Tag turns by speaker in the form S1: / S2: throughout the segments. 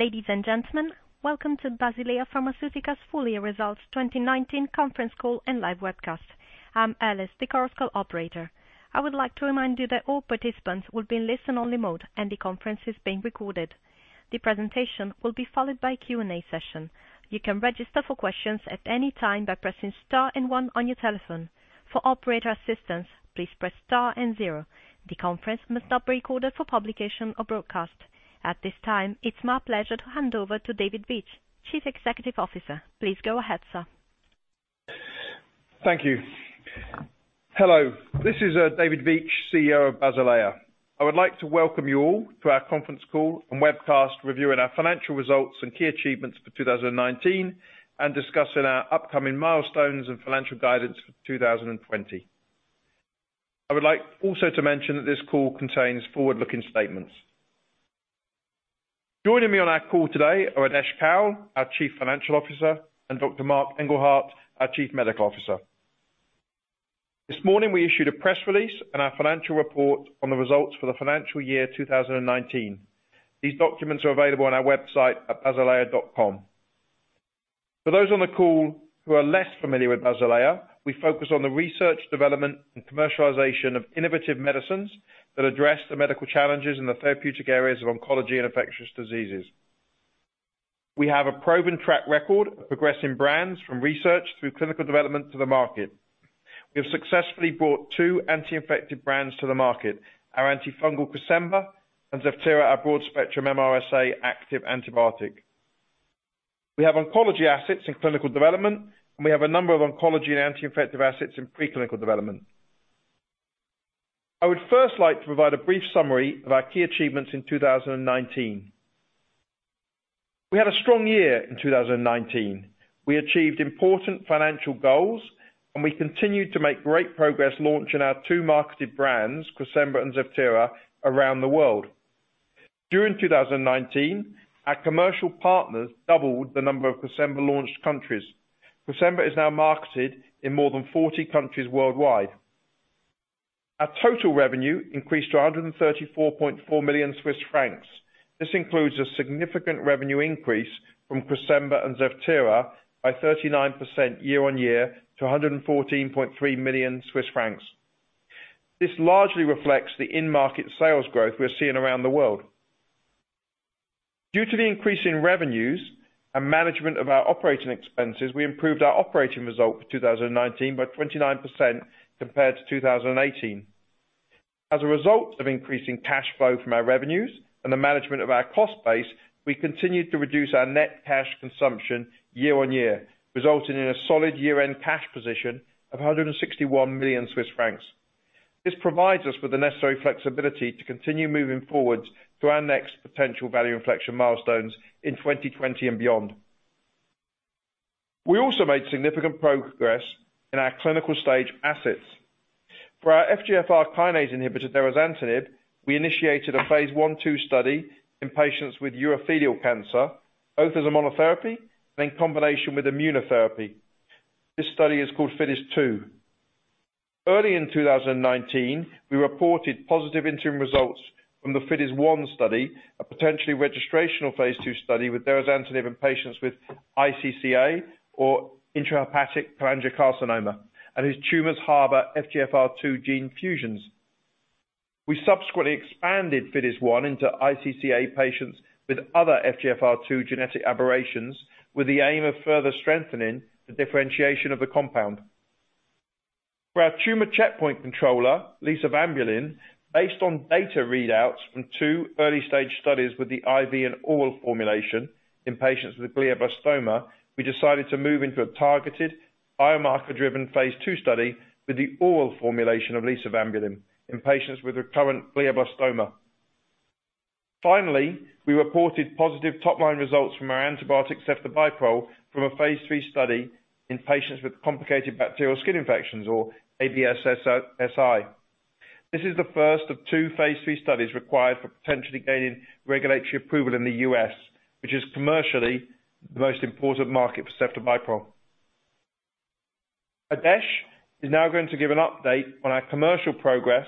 S1: Ladies and gentlemen, Welcome to Basilea Pharmaceutica's Full Year Results 2019 conference call and live webcast. I'm Alice, the conference call operator. I would like to remind you that all participants will be in listen only mode, and the conference is being recorded. The presentation will be followed by a Q&A session. You can register for questions at any time by pressing star and one on your telephone. For operator assistance, please press star and zero. The conference must not be recorded for publication or broadcast. At this time, it's my pleasure to hand over to David Veitch, Chief Executive Officer. Please go ahead, sir.
S2: Thank you. Hello, this is David Veitch, CEO of Basilea. I would like to welcome you all to our conference call and webcast reviewing our financial results and key achievements for 2019, discussing our upcoming milestones and financial guidance for 2020. I would like also to mention that this call contains forward-looking statements. Joining me on our call today are Adesh Kaul, our Chief Financial Officer, and Dr. Marc Engelhardt, our Chief Medical Officer. This morning we issued a press release and our financial report on the results for the financial year 2019. These documents are available on our website at basilea.com. For those on the call who are less familiar with Basilea, we focus on the research, development, and commercialization of innovative medicines that address the medical challenges in the therapeutic areas of oncology and infectious diseases. We have a proven track record of progressing brands from research through clinical development to the market. We have successfully brought two anti-infective brands to the market, our antifungal Cresemba, and ZEVTERA, our broad-spectrum MRSA active antibiotic. We have oncology assets in clinical development, and we have a number of oncology and anti-infective assets in pre-clinical development. I would first like to provide a brief summary of our key achievements in 2019. We had a strong year in 2019. We achieved important financial goals, and we continued to make great progress launching our two marketed brands, Cresemba and ZEVTERA, around the world. During 2019, our commercial partners doubled the number of Cresemba-launched countries. Cresemba is now marketed in more than 40 countries worldwide. Our total revenue increased to 134.4 million Swiss francs. This includes a significant revenue increase from Cresemba and ZEVTERA by 39% year-on-year to 114.3 million Swiss francs. This largely reflects the in-market sales growth we're seeing around the world. Due to the increase in revenues and management of our operating expenses, we improved our operating result for 2019 by 29% compared to 2018. As a result of increasing cash flow from our revenues and the management of our cost base, we continued to reduce our net cash consumption year-over-year, resulting in a solid year-end cash position of 161 million Swiss francs. This provides us with the necessary flexibility to continue moving forward to our next potential value inflection milestones in 2020 and beyond. We also made significant progress in our clinical stage assets. For our FGFR kinase inhibitor, derazantinib, we initiated a phase I-II study in patients with urothelial cancer, both as a monotherapy and in combination with immunotherapy. This study is called FIDES-02. Early in 2019, we reported positive interim results from the FIDES-01 study, a potentially registrational phase II study with derazantinib in patients with iCCA or intrahepatic cholangiocarcinoma, and whose tumors harbor FGFR2 gene fusions. We subsequently expanded FIDES-01 into iCCA patients with other FGFR2 genetic aberrations, with the aim of further strengthening the differentiation of the compound. For our tumor checkpoint controller, lisavanbulin, based on data readouts from two early-stage studies with the IV and oral formulation in patients with glioblastoma, we decided to move into a targeted biomarker-driven phase II study with the oral formulation of lisavanbulin in patients with recurrent glioblastoma. We reported positive top-line results from our antibiotic, ceftobiprole, from a phase III study in patients with complicated bacterial skin infections or ABSSSI. This is the first of two phase III studies required for potentially gaining regulatory approval in the U.S., which is commercially the most important market for ceftobiprole. Adesh is now going to give an update on our commercial progress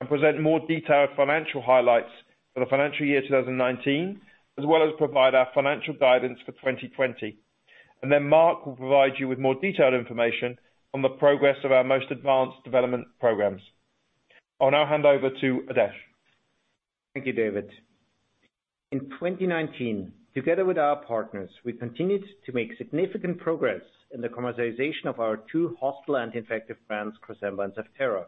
S2: and present more detailed financial highlights for the financial year 2019, as well as provide our financial guidance for 2020. Then Marc will provide you with more detailed information on the progress of our most advanced development programs. I'll now hand over to Adesh.
S3: Thank you, David. In 2019, together with our partners, we continued to make significant progress in the commercialization of our two hospital anti-infective brands, Cresemba and ZEVTERA.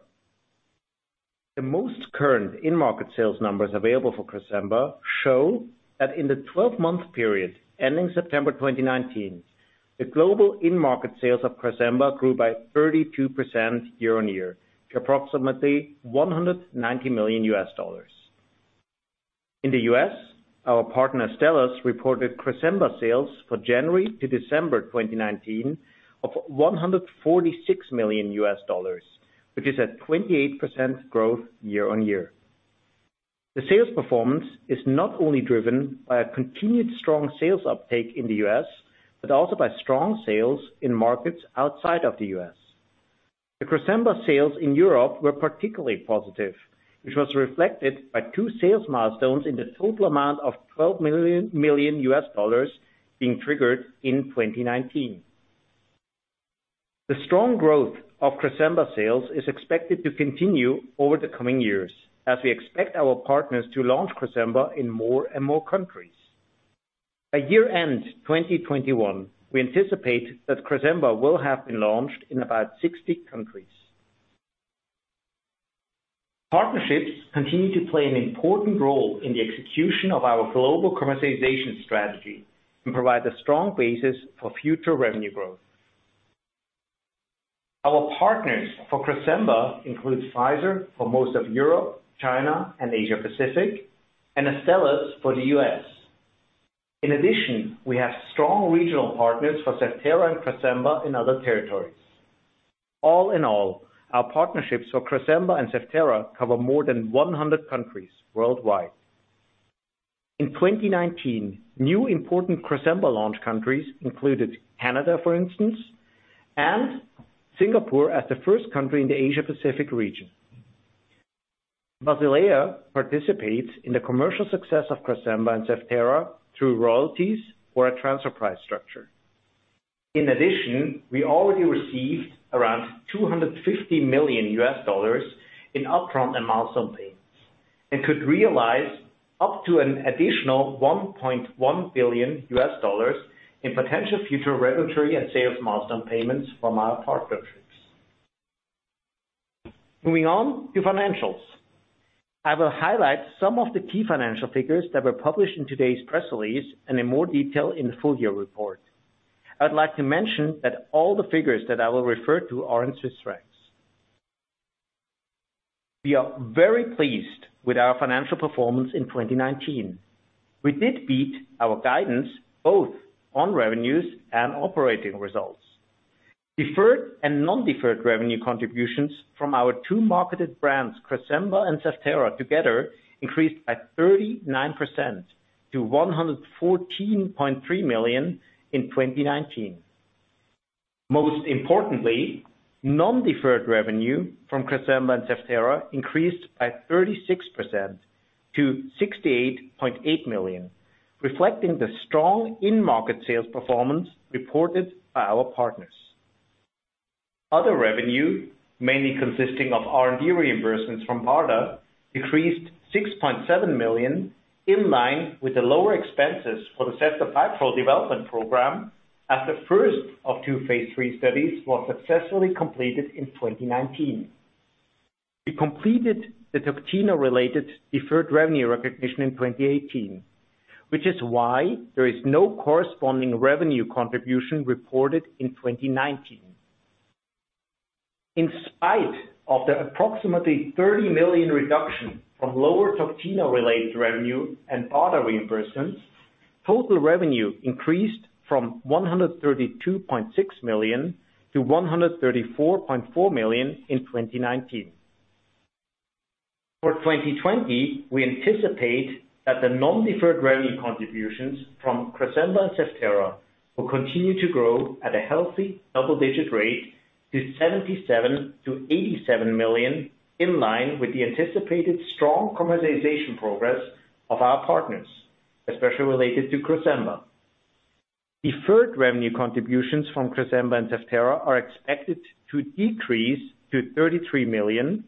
S3: The most current in-market sales numbers available for Cresemba show that in the 12-month period ending September 2019, the global in-market sales of Cresemba grew by 32% year-on-year to approximately $190 million. In the U.S., our partner, Astellas, reported Cresemba sales for January to December 2019 of $146 million, which is a 28% growth year-on-year. The sales performance is not only driven by a continued strong sales uptake in the U.S., but also by strong sales in markets outside of the U.S. The Cresemba sales in Europe were particularly positive, which was reflected by two sales milestones in the total amount of $12 million being triggered in 2019. The strong growth of Cresemba sales is expected to continue over the coming years, as we expect our partners to launch Cresemba in more and more countries. By year-end 2021, we anticipate that Cresemba will have been launched in about 60 countries. Partnerships continue to play an important role in the execution of our global commercialization strategy and provide a strong basis for future revenue growth. Our partners for Cresemba include Pfizer for most of Europe, China, and Asia-Pacific, and Astellas for the U.S. We have strong regional partners for ZEVTERA and cresemba in other territories. All in all, our partnerships for Cresemba and ZEVTERA cover more than 100 countries worldwide. In 2019, new important Cresemba launch countries included Canada, for instance, and Singapore as the first country in the Asia-Pacific region. Basilea participates in the commercial success of Cresemba and ZEVTERA through royalties or a transfer price structure. We already received around $250 million in upfront and milestone payments, and could realize up to an additional $1.1 billion in potential future regulatory and sales milestone payments from our partnerships. Moving on to financials. I will highlight some of the key financial figures that were published in today's press release and in more detail in the full year report. I'd like to mention that all the figures that I will refer to are in Swiss francs. We are very pleased with our financial performance in 2019. We did beat our guidance both on revenues and operating results. Deferred and non-deferred revenue contributions from our two marketed brands, Cresemba and ZEVTERA, together increased by 39% to 114.3 million in 2019. Most importantly, non-deferred revenue from Cresemba and ZEVTERA increased by 36% to 68.8 million, reflecting the strong in-market sales performance reported by our partners. Other revenue, mainly consisting of R&D reimbursements from BARDA, decreased 6.7 million in line with the lower expenses for the ceftobiprole development program, as the first of two phase III studies was successfully completed in 2019. We completed the Toctino-related deferred revenue recognition in 2018, which is why there is no corresponding revenue contribution reported in 2019. In spite of the approximately 30 million reduction from lower Toctino-related revenue and BARDA reimbursements, total revenue increased from 132.6 million to 134.4 million in 2019. For 2020, we anticipate that the non-deferred revenue contributions from Cresemba and ZEVTERA will continue to grow at a healthy double-digit rate to 77 million-87 million in line with the anticipated strong commercialization progress of our partners, especially related to Cresemba. Deferred revenue contributions from Cresemba and ZEVTERA are expected to decrease to 33 million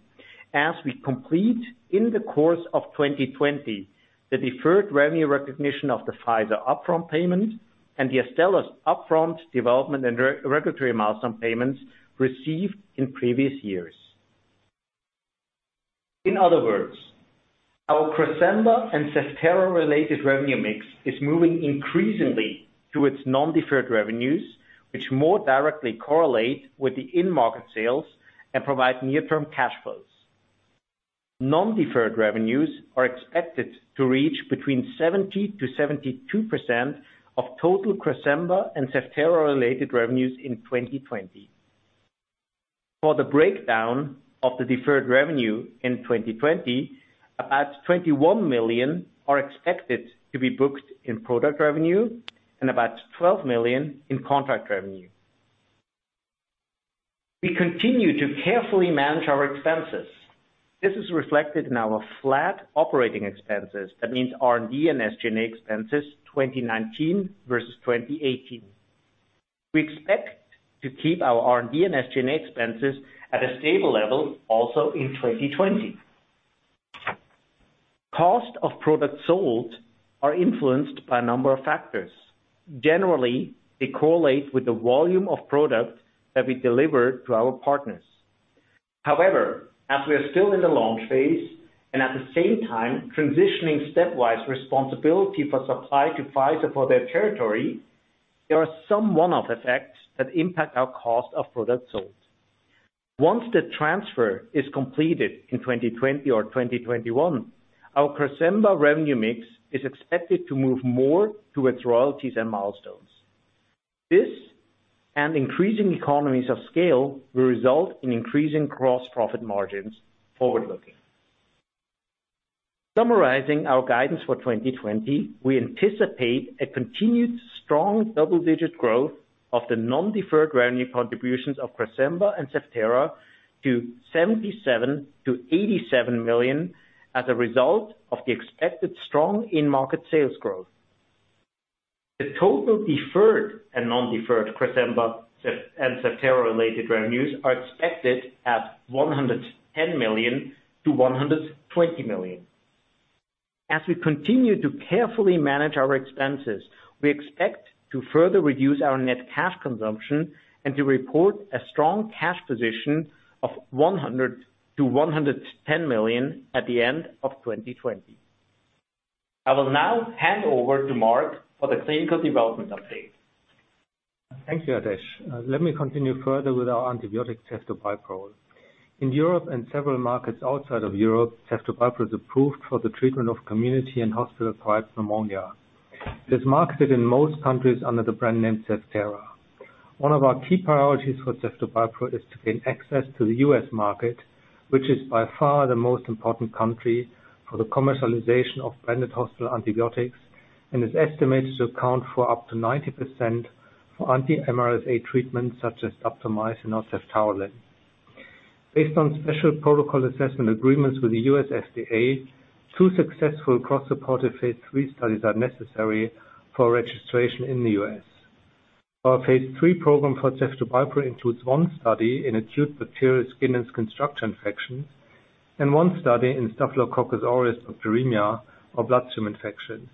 S3: as we complete, in the course of 2020, the deferred revenue recognition of the Pfizer upfront payment and the Astellas upfront development and regulatory milestone payments received in previous years. In other words, our Cresemba and ZEVTERA-related revenue mix is moving increasingly to its non-deferred revenues, which more directly correlate with the in-market sales and provide near-term cash flows. Non-deferred revenues are expected to reach between 70%-72% of total Cresemba and ZEVTERA-related revenues in 2020. For the breakdown of the deferred revenue in 2020, about 21 million are expected to be booked in product revenue and about 12 million in contract revenue. We continue to carefully manage our expenses. This is reflected in our flat operating expenses. That means R&D and SG&A expenses 2019 versus 2018. We expect to keep our R&D and SG&A expenses at a stable level also in 2020. Cost of products sold are influenced by a number of factors. Generally, they correlate with the volume of product that we deliver to our partners. As we are still in the launch phase, and at the same time transitioning stepwise responsibility for supply to Pfizer for their territory, there are some one-off effects that impact our cost of products sold. Once the transfer is completed in 2020 or 2021, our Cresemba revenue mix is expected to move more towards royalties and milestones. This and increasing economies of scale will result in increasing gross profit margins forward-looking. Summarizing our guidance for 2020, we anticipate a continued strong double-digit growth of the non-deferred revenue contributions of Cresemba and ZEVTERA to 77 million to 87 million as a result of the expected strong in-market sales growth. The total deferred and non-deferred Cresemba, and ZEVTERA-related revenues are expected at 110 million to 120 million. As we continue to carefully manage our expenses, we expect to further reduce our net cash consumption and to report a strong cash position of 100 million to 110 million at the end of 2020. I will now hand over to Marc for the clinical development update.
S4: Thank you, Adesh. Let me continue further with our antibiotic, ceftobiprole. In Europe and several markets outside of Europe, ceftobiprole is approved for the treatment of community and hospital-acquired pneumonia. It is marketed in most countries under the brand name ZEVTERA. One of our key priorities for ceftobiprole is to gain access to the U.S. market, which is by far the most important country for the commercialization of branded hospital antibiotics, and is estimated to account for up to 90% for anti-MRSA treatments such as [oritavancin and ceftaroline]. Based on special protocol assessment agreements with the U.S. FDA, two successful cross-supportive phase III studies are necessary for registration in the U.S. Our phase III program for ceftobiprole includes one study in Acute Bacterial Skin and Skin Structure Infections, and one study in Staphylococcus aureus bacteremia or bloodstream infections.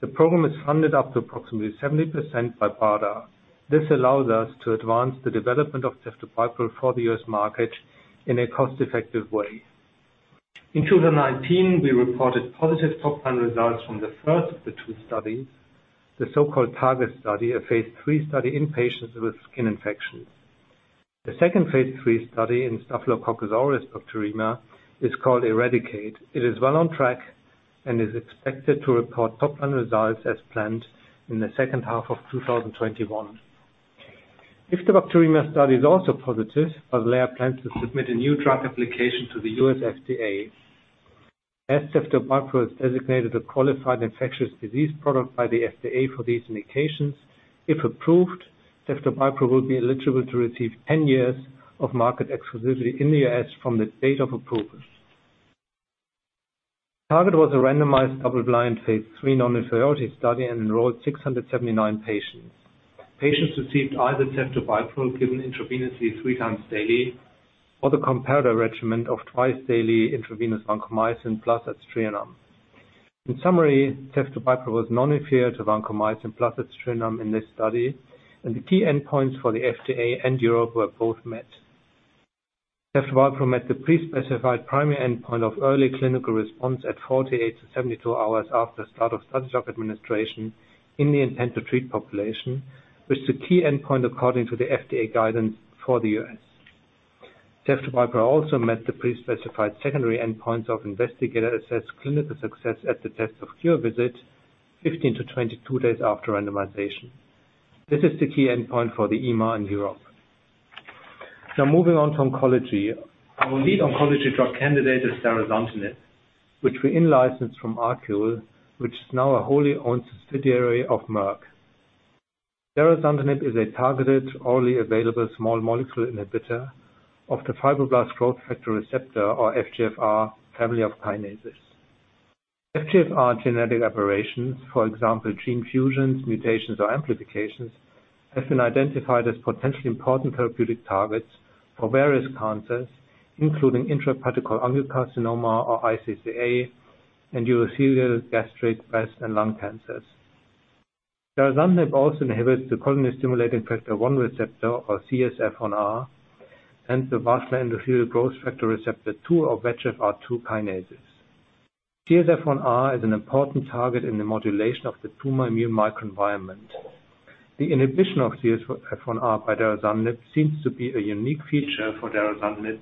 S4: The program is funded up to approximately 70% by BARDA. This allows us to advance the development of ceftobiprole for the U.S. market in a cost-effective way. In 2019, we reported positive top-line results from the first of the two studies, the so-called TARGET study, a phase III study in patients with skin infections. The second phase III study in Staphylococcus aureus bacteremia is called ERADICATE. It is well on track and is expected to report top-line results as planned in the second half of 2021. If the bacteremia study is also positive, Basilea plans to submit a new drug application to the U.S. FDA. As ceftobiprole is designated a Qualified Infectious Disease Product by the FDA for these indications, if approved, ceftobiprole will be eligible to receive 10 years of market exclusivity in the U.S. from the date of approval. TARGET was a randomized, double-blind phase III non-inferiority study and enrolled 679 patients. Patients received either ceftobiprole given intravenously three times daily or the comparator regimen of twice-daily intravenous vancomycin plus aztreonam. In summary, ceftobiprole was non-inferior to vancomycin plus aztreonam in this study, and the key endpoints for the FDA and Europe were both met. Ceftobiprole met the pre-specified primary endpoint of early clinical response at 48-72 hours after start of study drug administration in the intent-to-treat population, which is a key endpoint according to the FDA guidance for the U.S. Ceftobiprole also met the pre-specified secondary endpoints of investigator-assessed clinical success at the test of cure visit 15-22 days after randomization. This is the key endpoint for the EMA in Europe. Moving on to oncology. Our lead oncology drug candidate is derazantinib, which we in-licensed from ArQule, which is now a wholly owned subsidiary of Merck. Derazantinib is a targeted, orally available small molecule inhibitor of the fibroblast growth factor receptor, or FGFR, family of kinases. FGFR genetic aberrations, for example, gene fusions, mutations, or amplifications, have been identified as potentially important therapeutic targets for various cancers, including intrahepatic cholangiocarcinoma, or iCCA, urothelial, gastric, breast, and lung cancers. Derazantinib also inhibits the colony-stimulating factor one receptor, or CSF1R, and the vascular endothelial growth factor receptor two, or VEGFR2 kinases. CSF1R is an important target in the modulation of the tumor immune microenvironment. The inhibition of CSF1R by derazantinib seems to be a unique feature for derazantinib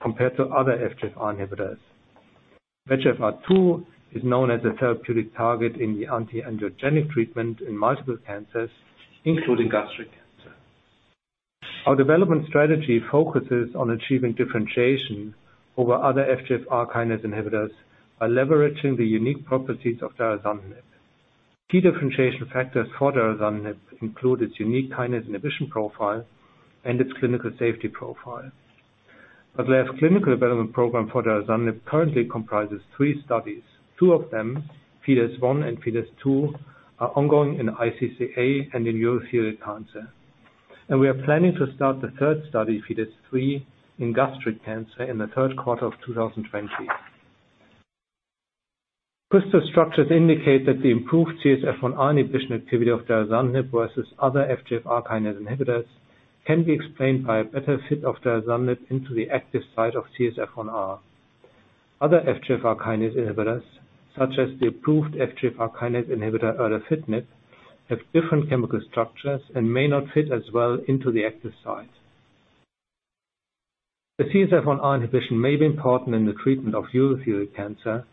S4: compared to other FGFR inhibitors. VEGFR2 is known as a therapeutic target in the anti-angiogenic treatment in multiple cancers, including gastric cancer. Our development strategy focuses on achieving differentiation over other FGFR kinase inhibitors by leveraging the unique properties of derazantinib. Key differentiation factors for derazantinib include its unique kinase inhibition profile and its clinical safety profile. Basilea's clinical development program for derazantinib currently comprises three studies. Two of them, FIDES-01 and FIDES-02, are ongoing in iCCA and in urothelial cancer. We are planning to start the third study, FIDES-03, in gastric cancer in the third quarter of 2020. Crystal structures indicate that the improved CSF1R inhibition activity of derazantinib versus other FGFR kinase inhibitors can be explained by a better fit of derazantinib into the active site of CSF1R. Other FGFR kinase inhibitors, such as the approved FGFR kinase inhibitor, erdafitinib, have different chemical structures and may not fit as well into the active site. The CSF1R inhibition may be important in the treatment of urothelial cancer,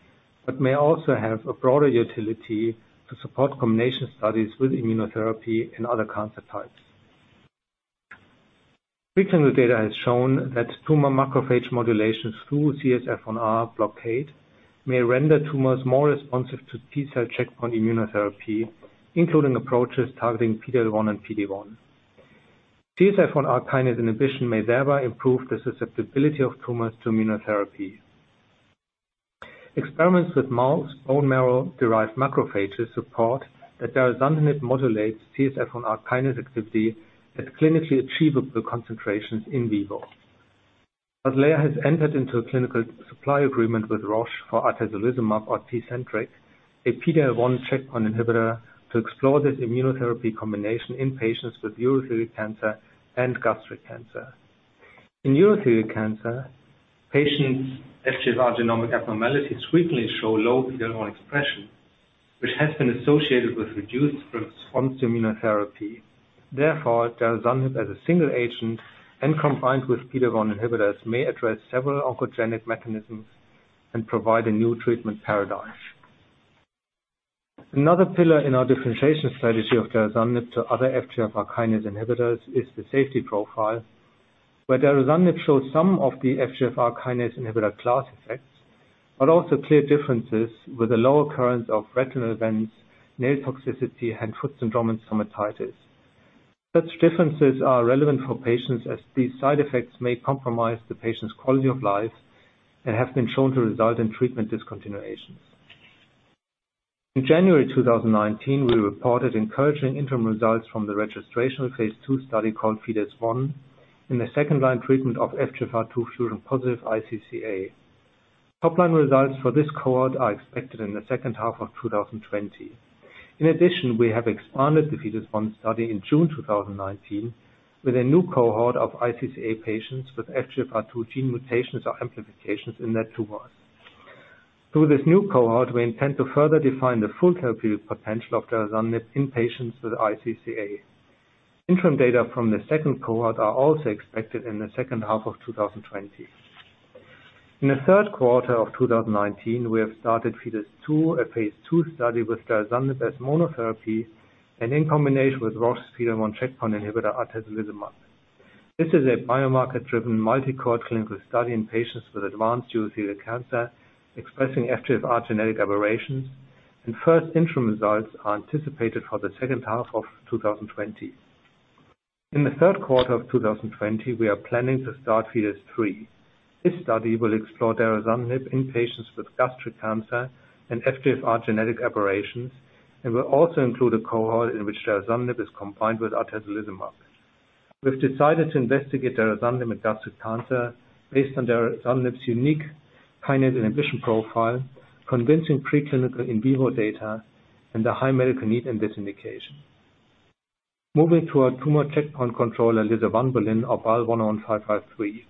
S4: but may also have a broader utility to support combination studies with immunotherapy in other cancer types. Preclinical data has shown that tumor macrophage modulations through CSF1R blockade may render tumors more responsive to T-cell checkpoint immunotherapy, including approaches targeting PD-L1 and PD-1. CSF1R kinase inhibition may thereby improve the susceptibility of tumors to immunotherapy. Experiments with mouse bone marrow-derived macrophages support that derazantinib modulates CSF1R kinase activity at clinically achievable concentrations in vivo. Basilea has entered into a clinical supply agreement with Roche for atezolizumab, or TECENTRIQ, a PD-L1 checkpoint inhibitor, to explore this immunotherapy combination in patients with urothelial cancer and gastric cancer. In urothelial cancer, patients' FGFR genomic abnormalities frequently show low PD-L1 expression, which has been associated with reduced response to immunotherapy. Therefore, derazantinib as a single agent and combined with PD-L1 inhibitors may address several oncogenic mechanisms and provide a new treatment paradigm. Another pillar in our differentiation strategy of derazantinib to other FGFR kinase inhibitors is the safety profile, where derazantinib shows some of the FGFR kinase inhibitor class effects, but also clear differences with a lower occurrence of retinal events, nail toxicity, hand-foot syndrome, and stomatitis. Such differences are relevant for patients, as these side effects may compromise the patient's quality of life and have been shown to result in treatment discontinuations. In January 2019, we reported encouraging interim results from the registration phase II study called FIDES-01 in the second-line treatment of FGFR2 fusion-positive iCCA. Top-line results for this cohort are expected in the second half of 2020. In addition, we have expanded the FIDES-01 study in June 2019 with a new cohort of iCCA patients with FGFR2 gene mutations or amplifications in their tumor. Through this new cohort, we intend to further define the full therapeutic potential of derazantinib in patients with iCCA. Interim data from the second cohort are also expected in the second half of 2020. In the third quarter of 2019, we have started FIDES-01, a phase II study with derazantinib as monotherapy and in combination with Roche's PD-L1 checkpoint inhibitor, atezolizumab. This is a biomarker-driven multi-cohort clinical study in patients with advanced urothelial cancer expressing FGFR genetic aberrations, and first interim results are anticipated for the second half of 2020. In the third quarter of 2020, we are planning to start FIDES-03. This study will explore derazantinib in patients with gastric cancer and FGFR genetic aberrations and will also include a cohort in which derazantinib is combined with atezolizumab. We've decided to investigate derazantinib in gastric cancer based on derazantinib's unique kinase inhibition profile, convincing preclinical in vivo data, and the high medical need in this indication. Moving to our tumor checkpoint controller, lisavanbulin, or BAL101553.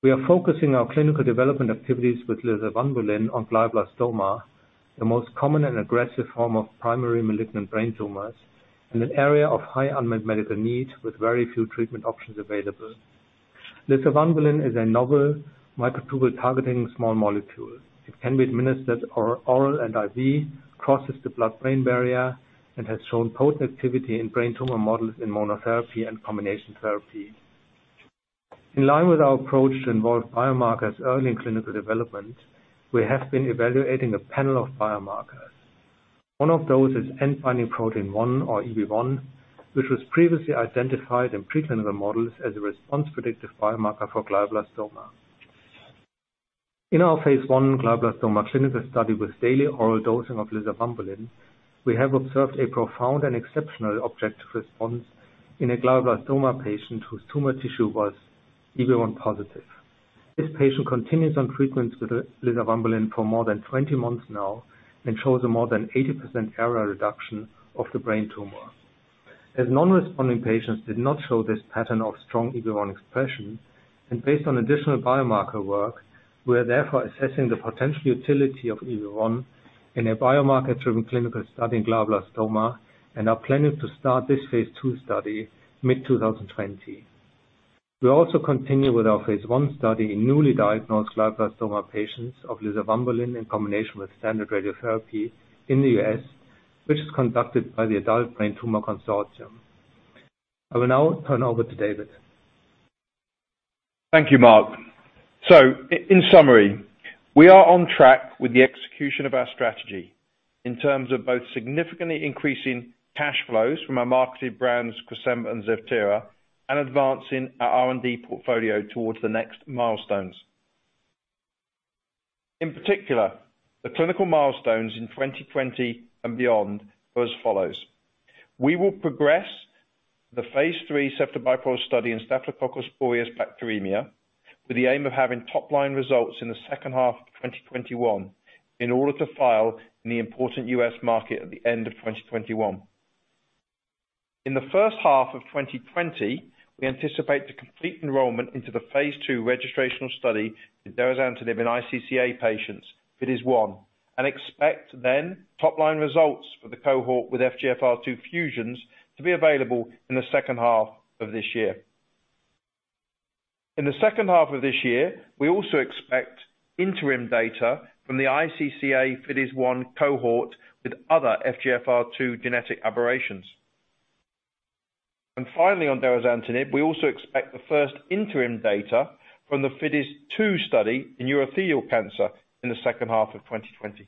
S4: We are focusing our clinical development activities with lisavanbulin on glioblastoma, the most common and aggressive form of primary malignant brain tumors, in an area of high unmet medical need with very few treatment options available. Lisavanbulin is a novel microtubule-targeting small molecule. It can be administered oral and IV, crosses the blood-brain barrier, and has shown potent activity in brain tumor models in monotherapy and combination therapy. In line with our approach to involve biomarkers early in clinical development, we have been evaluating a panel of biomarkers. One of those is end binding protein one, or EB1, which was previously identified in preclinical models as a response-predictive biomarker for glioblastoma. In our phase I glioblastoma clinical study with daily oral dosing of lisavanbulin, we have observed a profound and exceptional objective response in a glioblastoma patient whose tumor tissue was EB1 positive. This patient continues on treatment with lisavanbulin for more than 20 months now and shows a more than 80% area reduction of the brain tumor. Non-responding patients did not show this pattern of strong EB1 expression, and based on additional biomarker work, we are therefore assessing the potential utility of EB1 in a biomarker-driven clinical study in glioblastoma and are planning to start this phase II study mid-2020. We also continue with our phase I study in newly diagnosed glioblastoma patients of lisavanbulin in combination with standard radiotherapy in the U.S., which is conducted by the Adult Brain Tumor Consortium. I will now turn over to David.
S2: Thank you, Marc. In summary, we are on track with the execution of our strategy in terms of both significantly increasing cash flows from our marketed brands, Cresemba and ZEVTERA, and advancing our R&D portfolio towards the next milestones. In particular, the clinical milestones in 2020 and beyond are as follows. We will progress the phase III ceftobiprole study in Staphylococcus aureus bacteremia with the aim of having top-line results in the second half of 2021 in order to file in the important U.S. market at the end of 2021. In the first half of 2020, we anticipate to complete enrollment into the phase II registrational study in derazantinib in iCCA patients, FIDES-01, and expect then top-line results for the cohort with FGFR2 fusions to be available in the second half of this year. In the second half of this year, we also expect interim data from the iCCA FIDES-01 cohort with other FGFR2 genetic aberrations. Finally, on derazantinib, we also expect the first interim data from the FIDES-02 study in urothelial cancer in the second half of 2020.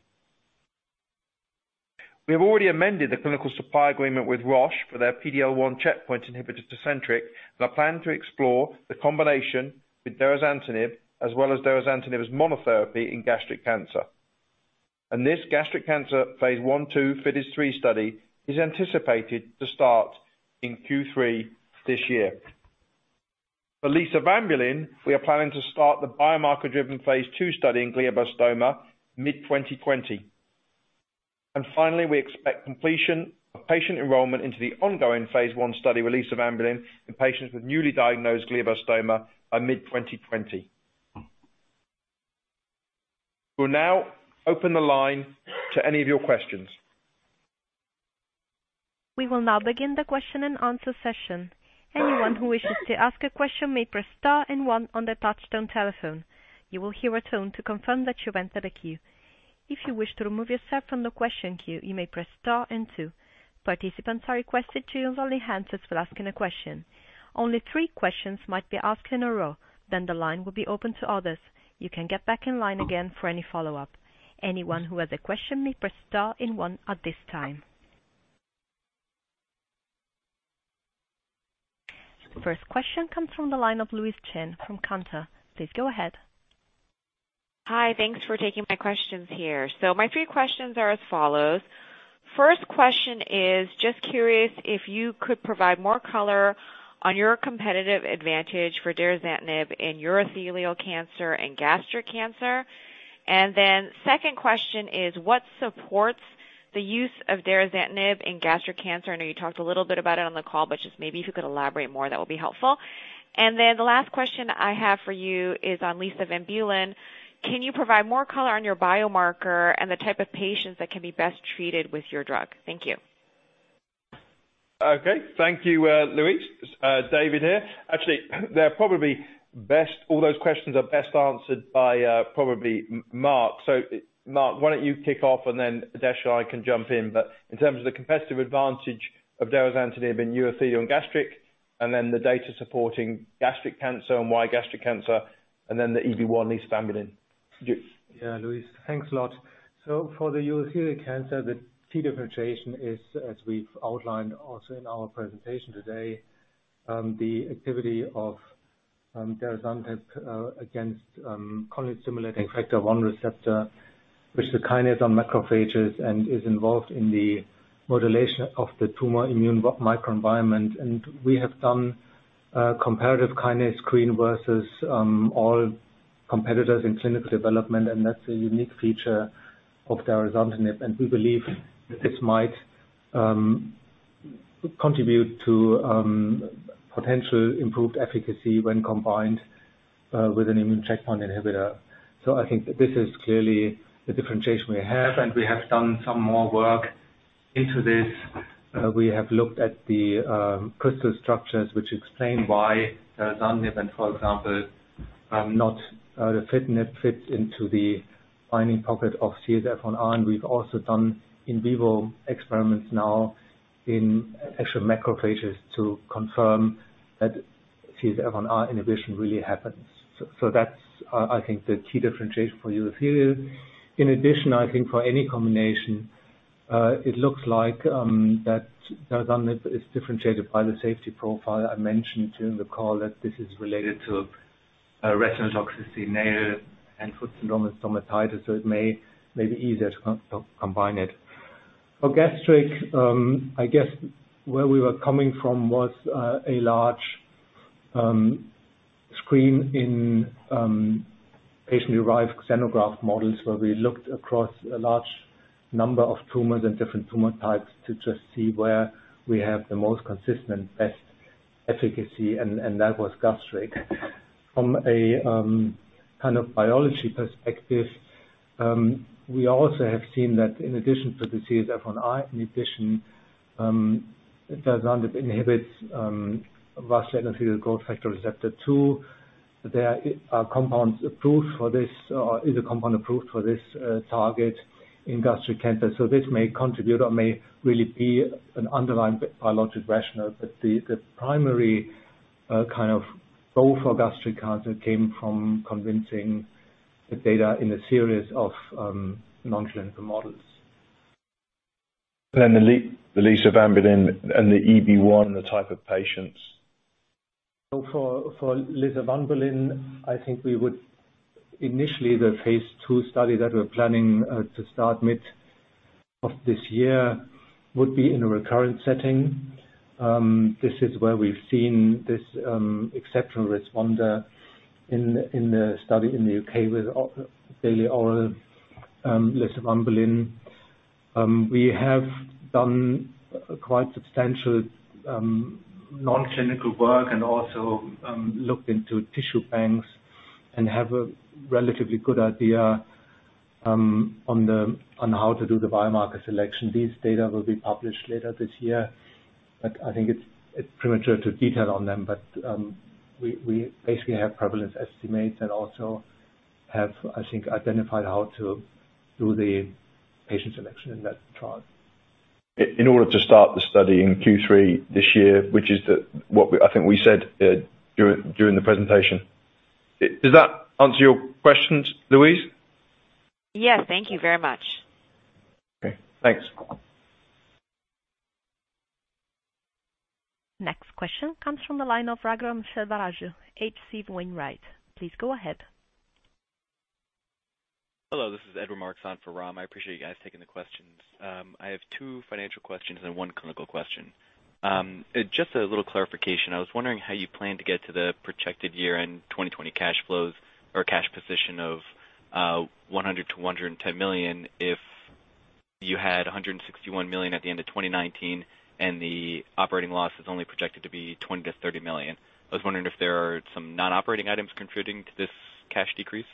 S2: We have already amended the clinical supply agreement with Roche for their PD-L1 checkpoint inhibitor, TECENTRIQ, and our plan to explore the combination with derazantinib as well as derazantinib as monotherapy in gastric cancer. This gastric cancer phase I/II FIDES-03 study is anticipated to start in Q3 this year. For lisavanbulin, we are planning to start the biomarker-driven phase II study in glioblastoma mid-2020. Finally, we expect completion of patient enrollment into the ongoing phase I study with lisavanbulin in patients with newly diagnosed glioblastoma by mid-2020. We'll now open the line to any of your questions.
S1: We will now begin the question and answer session. Anyone who wishes to ask a question may press star and one on their touch-tone telephone. You will hear a tone to confirm that you've entered a queue. If you wish to remove yourself from the question queue, you may press star and two. Participants are requested to use only handsets for asking a question. Only three questions might be asked in a row, then the line will be open to others. You can get back in line again for any follow-up. Anyone who has a question may press star and one at this time. First question comes from the line of Louise Chen from Cantor. Please go ahead.
S5: Hi. Thanks for taking my questions here. My three questions are as follows. First question is, just curious if you could provide more color on your competitive advantage for derazantinib in urothelial cancer and gastric cancer. Second question is, what supports the use of derazantinib in gastric cancer? I know you talked a little bit about it on the call, if you could elaborate more, that would be helpful. The last question I have for you is on lisavanbulin. Can you provide more color on your biomarker and the type of patients that can be best treated with your drug? Thank you.
S2: Okay. Thank you, Louise. David here. Actually, they're probably best, all those questions are best answered by probably Marc. Marc, why don't you kick off and then Adesh or I can jump in. In terms of the competitive advantage of derazantinib in urothelial and gastric, and then the data supporting gastric cancer and why gastric cancer, and then the EB1 lisavanbulin.
S4: Louise, thanks a lot. For the urothelial cancer, the key differentiation is, as we've outlined also in our presentation today, the activity of derazantinib against colony-stimulating factor one receptor, which the kinase on macrophages and is involved in the modulation of the tumor immune microenvironment. We have done a comparative kinase screen versus all competitors in clinical development, and that's a unique feature of derazantinib, and we believe that this might contribute to potential improved efficacy when combined with an immune checkpoint inhibitor. I think that this is clearly the differentiation we have, and we have done some more work into this. We have looked at the crystal structures, which explain why derazantinib and, for example, not the erdafitinib fits into the binding pocket of CSF1R, and we've also done in vivo experiments now in actual macrophages to confirm that CSF1R inhibition really happens. That's, I think, the key differentiation for urothelial. In addition, I think for any combination, it looks like that derazantinib is differentiated by the safety profile I mentioned during the call, that this is related to retinal toxicity, nail and foot syndrome, and stomatitis, so it may be easier to combine it. For gastric, I guess where we were coming from was a large screen in patient-derived xenograft models, where we looked across a large number of tumors and different tumor types to just see where we have the most consistent, best efficacy, and that was gastric. From a kind of biology perspective, we also have seen that in addition to the CSF1R inhibition, derazantinib inhibits vascular endothelial growth factor receptor 2. There are compounds approved for this, or is a compound approved for this target in gastric cancer. This may contribute or may really be an underlying biologic rationale, but the primary kind of goal for gastric cancer came from convincing the data in a series of non-clinical models.
S2: The lisavanbulin and the EB1, the type of patients.
S4: For lisavanbulin, I think we would initially, the phase II study that we're planning to start mid of this year would be in a recurrent setting. This is where we've seen this exceptional responder in the study in the U.K. with daily oral lisavanbulin. We have done quite substantial non-clinical work and also looked into tissue banks and have a relatively good idea on how to do the biomarker selection. These data will be published later this year, I think it's premature to detail on them. We basically have prevalence estimates and also have, I think, identified how to do the patient selection in that trial.
S2: In order to start the study in Q3 this year, which is what I think we said during the presentation. Does that answer your questions, Louise?
S5: Yes. Thank you very much.
S2: Okay. Thanks.
S1: Next question comes from the line of Raghuram Selvaraju, H.C. Wainwright. Please go ahead.
S6: Hello, this is Edward Marks standing in for Raghuram. I appreciate you guys taking the questions. I have two financial questions and one clinical question. Just a little clarification. I was wondering how you plan to get to the projected year-end 2020 cash flows or cash position of 100 million-110 million if you had 161 million at the end of 2019, and the operating loss is only projected to be 20 million-30 million. I was wondering if there are some non-operating items contributing to this cash decrease.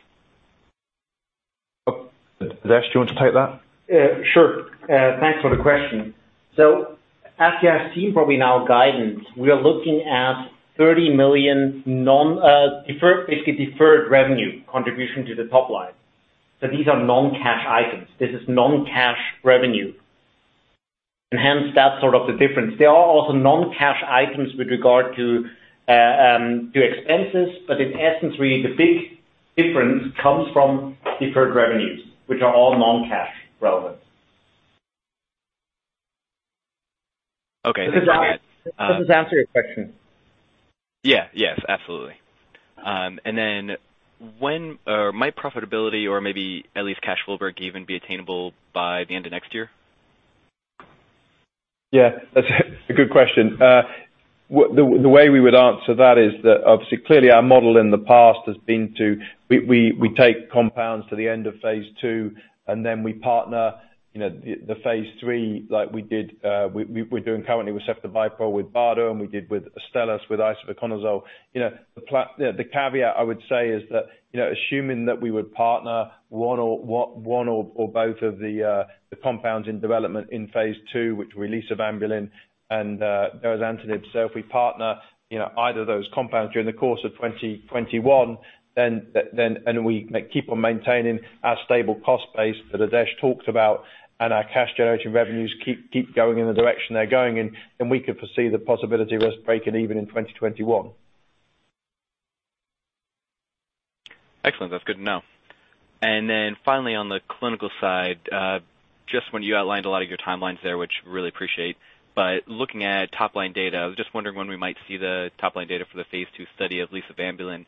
S2: Adesh, do you want to take that?
S3: Sure. Thanks for the question. As you have seen probably in our guidance, we are looking at 30 million basically deferred revenue contribution to the top line. These are non-cash items. This is non-cash revenue. Hence that's sort of the difference. There are also non-cash items with regard to expenses. In essence, really the big difference comes from deferred revenues, which are all non-cash relevant.
S6: Okay.
S2: Does this answer your question?
S6: Yes, absolutely. Might profitability or maybe at least cash flow break-even be attainable by the end of next year?
S2: Yeah, that's a good question. The way we would answer that is that obviously clearly our model in the past has been we take compounds to the end of phase II and then we partner the phase III like we're doing currently with ceftobiprole with BARDA and we did with Astellas with isavuconazole. The caveat I would say is that, assuming that we would partner one or both of the compounds in development in phase II, which were lisavanbulin and derazantinib. If we partner either of those compounds during the course of 2021, and we keep on maintaining our stable cost base that Adesh talked about, and our cash generation revenues keep going in the direction they're going in, then we could foresee the possibility of us breaking even in 2021.
S6: Excellent. That's good to know. Finally, on the clinical side, just when you outlined a lot of your timelines there, which really appreciate. Looking at top-line data, I was just wondering when we might see the top-line data for the phase II study of lisavanbulin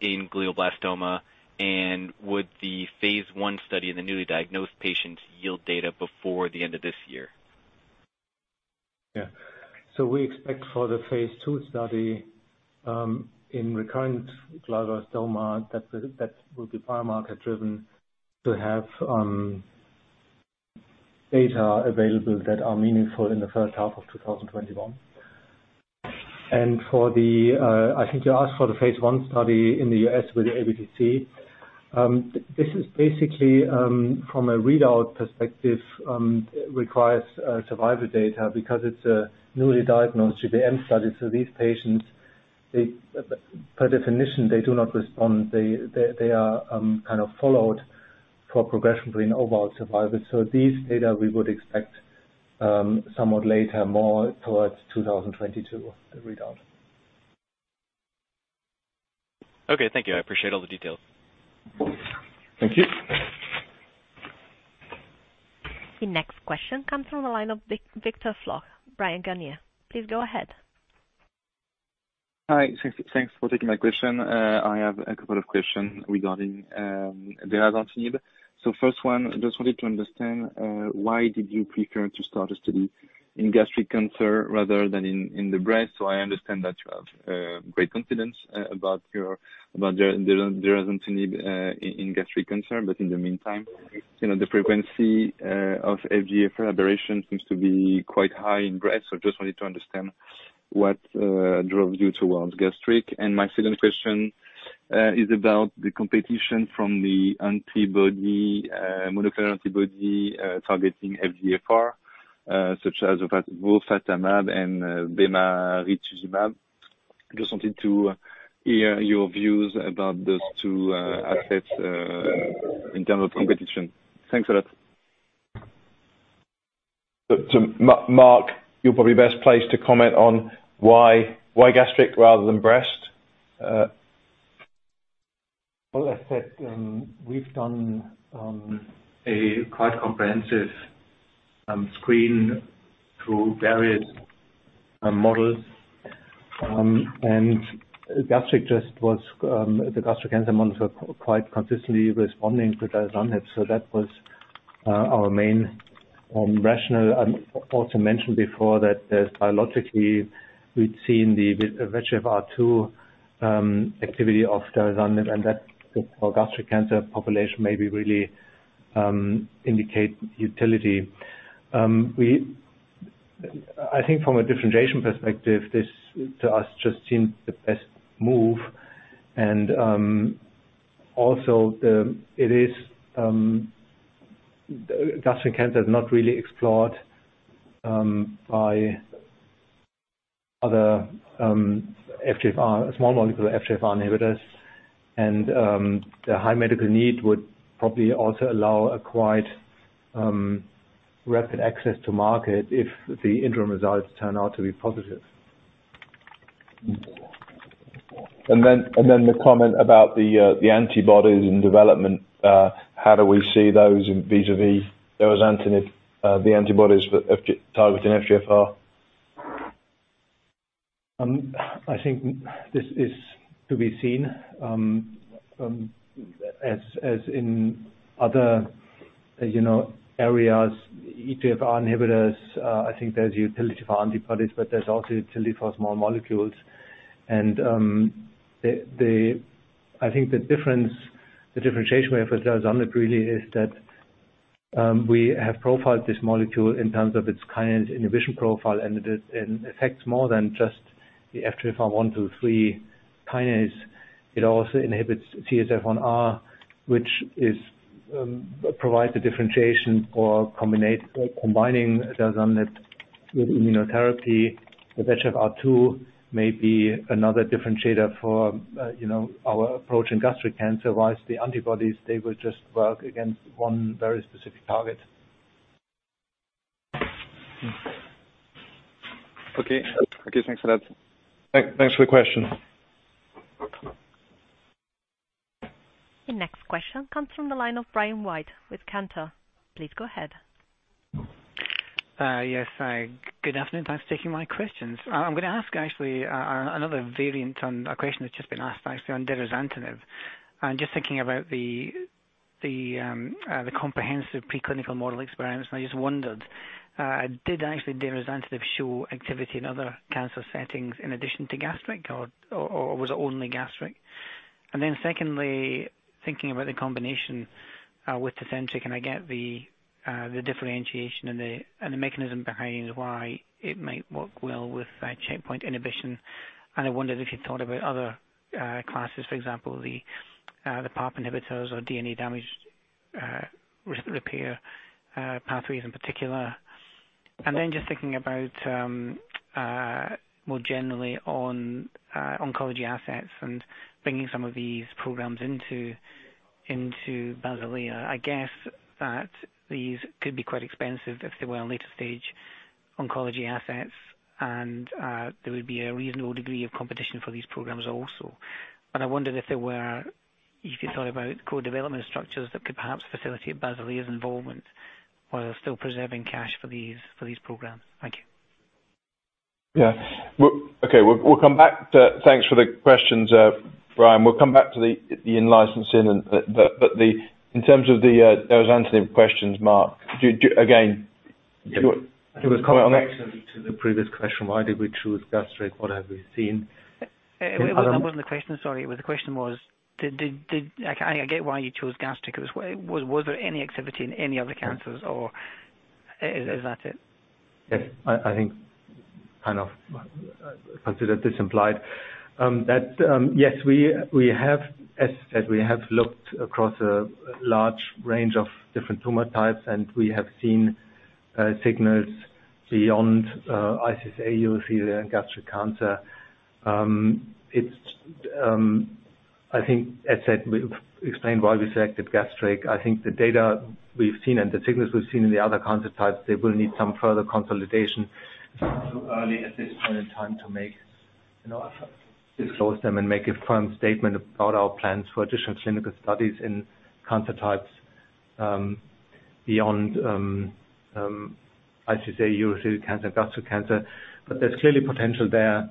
S6: in glioblastoma and would the phase I study in the newly diagnosed patients yield data before the end of this year?
S4: Yeah. We expect for the phase II study, in recurrent glioblastoma, that will be biomarker-driven to have data available that are meaningful in the first half of 2021. I think you asked for the phase I study in the U.S. with the ABTC. This is basically, from a readout perspective, requires survivor data because it's a newly diagnosed GBM study. These patients, per definition, they do not respond. They are kind of followed for progression-free and overall survival. These data we would expect somewhat later, more towards 2022, the readout.
S6: Okay. Thank you. I appreciate all the details.
S2: Thank you.
S1: The next question comes from the line of Victor Floc'h, Bryan Garnier. Please go ahead.
S7: Hi. Thanks for taking my question. I have a couple of questions regarding derazantinib. First one, just wanted to understand, why did you prefer to start a study in gastric cancer rather than in the breast? I understand that you have great confidence about derazantinib in gastric cancer. In the meantime, the frequency of FGFR elaboration seems to be quite high in breast. Just wanted to understand what drove you towards gastric. My second question is about the competition from the monoclonal antibody targeting FGFR, such as bemarituzumab and bemarituzumab. Just wanted to hear your views about those two assets in terms of competition. Thanks a lot.
S2: Marc, you're probably best placed to comment on why gastric rather than breast.
S4: Well, as said, we've done a quite comprehensive screen through various models. The gastric cancer models were quite consistently responding to derazantinib, so that was our main rationale. I also mentioned before that biologically we'd seen the VEGFR2 activity of derazantinib, and that for gastric cancer population maybe really indicate utility. I think from a differentiation perspective, this to us just seemed the best move. Also, gastric cancer is not really explored by other small molecule FGFR inhibitors. The high medical need would probably also allow a quite rapid access to market if the interim results turn out to be positive.
S2: The comment about the antibodies in development, how do we see those vis-a-vis derazantinib, the antibodies targeting FGFR?
S4: I think this is to be seen. As in other areas, FGFR inhibitors, I think there's utility for antibodies, but there's also utility for small molecules. I think the differentiation with derazantinib really is that we have profiled this molecule in terms of its kinase inhibition profile, and it affects more than just the FGFR 1, 2, 3 kinase. It also inhibits CSF1R, which provides the differentiation for combining derazantinib with immunotherapy. The FGFR2 may be another differentiator for our approach in gastric cancer, whilst the antibodies, they will just work against one very specific target.
S7: Okay. Thanks for that.
S2: Thanks for the question.
S1: The next question comes from the line of Brian White with Cantor. Please go ahead.
S8: Yes. Good afternoon. Thanks for taking my questions. I'm going to ask actually, another variant on a question that's just been asked, actually, on derazantinib. Just thinking about the comprehensive preclinical model experiments, I just wondered, did actually derazantinib show activity in other cancer settings in addition to gastric, or was it only gastric? Then secondly, thinking about the combination with TECENTRIQ, can I get the differentiation and the mechanism behind why it might work well with checkpoint inhibition? I wondered if you'd thought about other classes, for example, the PARP inhibitors or DNA damage repair pathways in particular. Then just thinking about more generally on oncology assets and bringing some of these programs into Basilea. I guess that these could be quite expensive if they were in later stage oncology assets and there would be a reasonable degree of competition for these programs also. I wondered if you'd thought about co-development structures that could perhaps facilitate Basilea's involvement while still preserving cash for these programs. Thank you.
S2: Yeah. Okay. Thanks for the questions, Brian. We'll come back to the in-licensing. In terms of the derazantinib questions, Marc.
S4: It was a continuation to the previous question. Why did we choose gastric? What have we seen?
S8: That wasn't the question, sorry. The question was, I get why you chose gastric. Was there any activity in any other cancers, or is that it?
S4: Yes. I think, kind of considered this implied. Yes, we have looked across a large range of different tumor types, and we have seen signals beyond iCCA, UC and gastric cancer. I think as said, we explained why we selected gastric. I think the data we've seen and the signals we've seen in the other cancer types, they will need some further consolidation. It's too early at this point in time to disclose them and make a firm statement about our plans for additional clinical studies in cancer types beyond iCCA, UC cancer, gastric cancer. There's clearly potential there,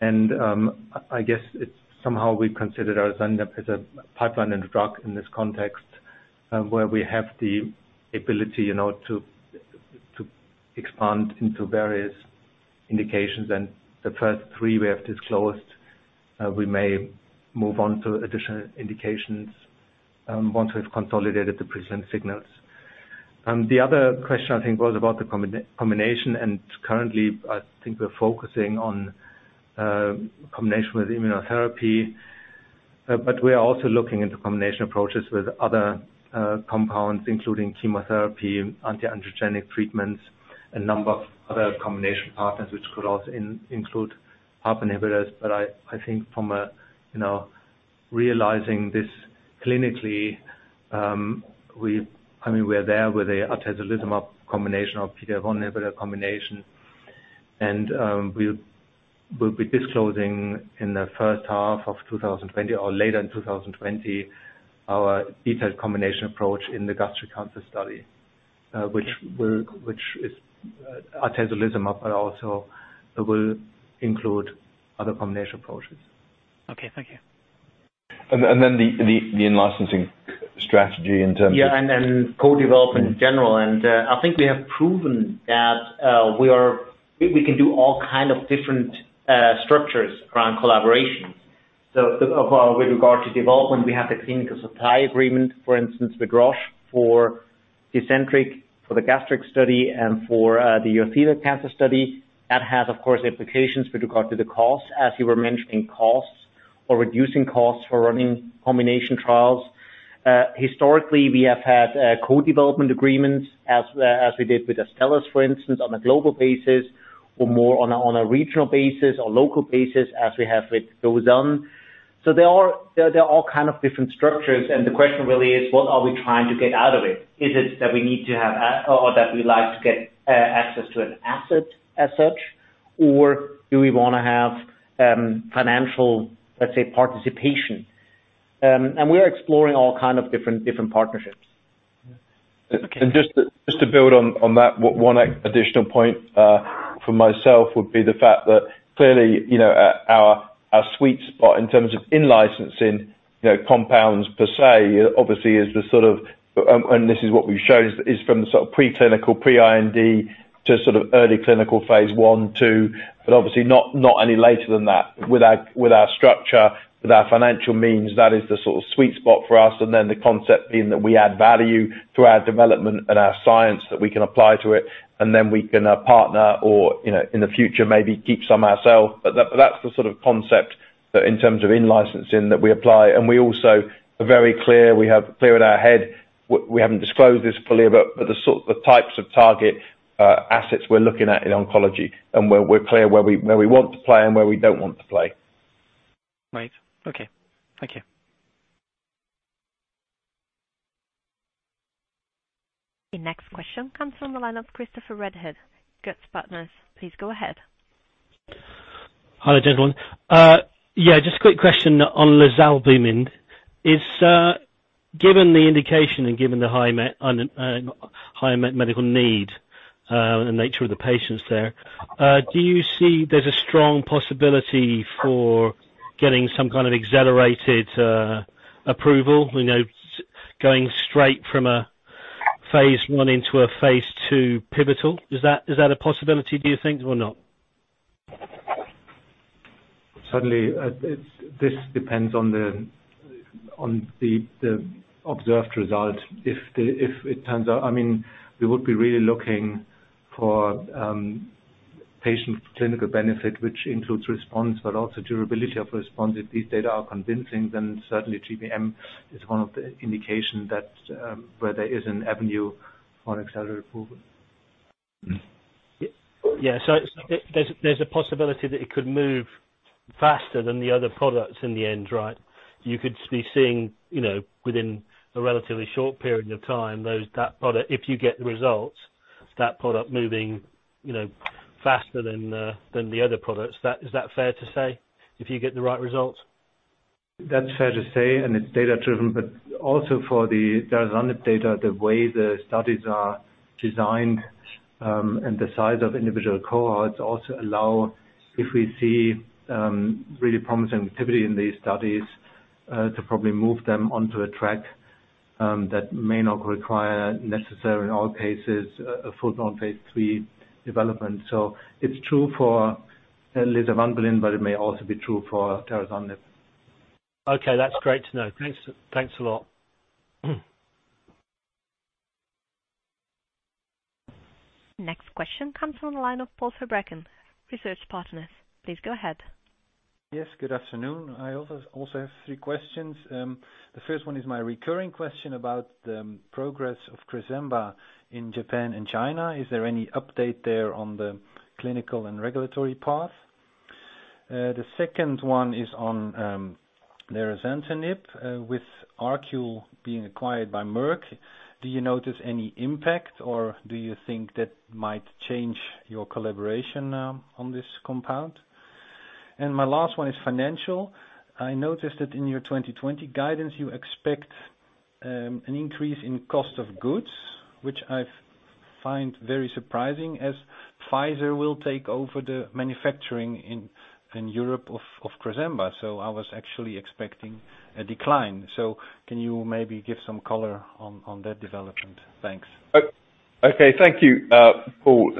S4: and I guess it's somehow we considered our pipeline and drug in this context, where we have the ability to expand into various indications. The first three we have disclosed, we may move on to additional indications once we've consolidated the present signals. The other question, I think, was about the combination, and currently, I think we're focusing on combination with immunotherapy. We are also looking into combination approaches with other compounds, including chemotherapy, anti-androgenic treatments, a number of other combination partners, which could also include PARP inhibitors. I think from realizing this clinically, we're there with the atezolizumab combination or PD-L1 inhibitor combination. We'll be disclosing in the first half of 2020 or later in 2020, our detailed combination approach in the gastric cancer study which is atezolizumab, but also will include other combination approaches.
S8: Okay, thank you.
S2: Then the in-licensing strategy in terms of.
S3: Co-development in general. I think we have proven that we can do all kind of different structures around collaboration. With regard to development, we have the clinical supply agreement, for instance, with Roche for TECENTRIQ, for the gastric study, and for the esophageal cancer study. That has, of course, implications with regard to the cost, as you were mentioning costs or reducing costs for running combination trials. Historically, we have had co-development agreements as we did with Astellas, for instance, on a global basis, or more on a regional basis or local basis as we have with Dozan. There are all kinds of different structures, and the question really is: what are we trying to get out of it? Is it that we need to have or that we like to get access to an asset as such, or do we want to have financial, let's say, participation? We are exploring all kind of different partnerships.
S2: Just to build on that one additional point, for myself, would be the fact that clearly, our sweet spot in terms of in-licensing compounds per se, obviously, and this is what we've shown is from the sort of preclinical pre-IND to early clinical phase I, II, but obviously not any later than that. With our structure, with our financial means, that is the sort of sweet spot for us, and then the concept being that we add value through our development and our science that we can apply to it, and then we can partner or, in the future, maybe keep some ourselves. That's the sort of concept, in terms of in-licensing that we apply. We also are very clear, we have clear in our head, we haven't disclosed this fully, but the types of target assets we're looking at in oncology, and where we're clear where we want to play and where we don't want to play.
S8: Right. Okay. Thank you.
S1: The next question comes from the line of Christopher Redhead, Goetzpartners. Please go ahead.
S9: Hi, gentlemen. Just a quick question on lisavanbulin. Given the indication and given the high medical need, the nature of the patients there, do you see there's a strong possibility for getting some kind of accelerated approval, going straight from a phase I into a phase II pivotal? Is that a possibility, do you think, or not?
S2: Certainly, this depends on the observed result. We would be really looking for patient clinical benefit, which includes response, but also durability of response. If these data are convincing, certainly GBM is one of the indication where there is an avenue for accelerated approval.
S9: Yeah. There's a possibility that it could move faster than the other products in the end, right? You could be seeing within a relatively short period of time, that product, if you get the results, that product moving faster than the other products. Is that fair to say if you get the right results?
S2: That's fair to say. It's data-driven. Also for the derazantinib data, the way the studies are designed, and the size of individual cohorts also allow, if we see really promising activity in these studies, to probably move them onto a track, that may not require necessary in all cases, a full-on phase III development. It's true for lisavanbulin. It may also be true for derazantinib.
S9: Okay. That's great to know. Thanks a lot.
S1: Next question comes from the line of Paul Verbraeken, Research Partners. Please go ahead.
S10: Yes, good afternoon. I also have three questions. The first one is my recurring question about the progress of Cresemba in Japan and China. Is there any update there on the clinical and regulatory path? The second one is on derazantinib. With ArQule being acquired by Merck, do you notice any impact, or do you think that might change your collaboration on this compound? My last one is financial. I noticed that in your 2020 guidance, you expect an increase in cost of goods, which I find very surprising as Pfizer will take over the manufacturing in Europe of Cresemba. I was actually expecting a decline. Can you maybe give some color on that development? Thanks.
S2: Okay. Thank you, Paul.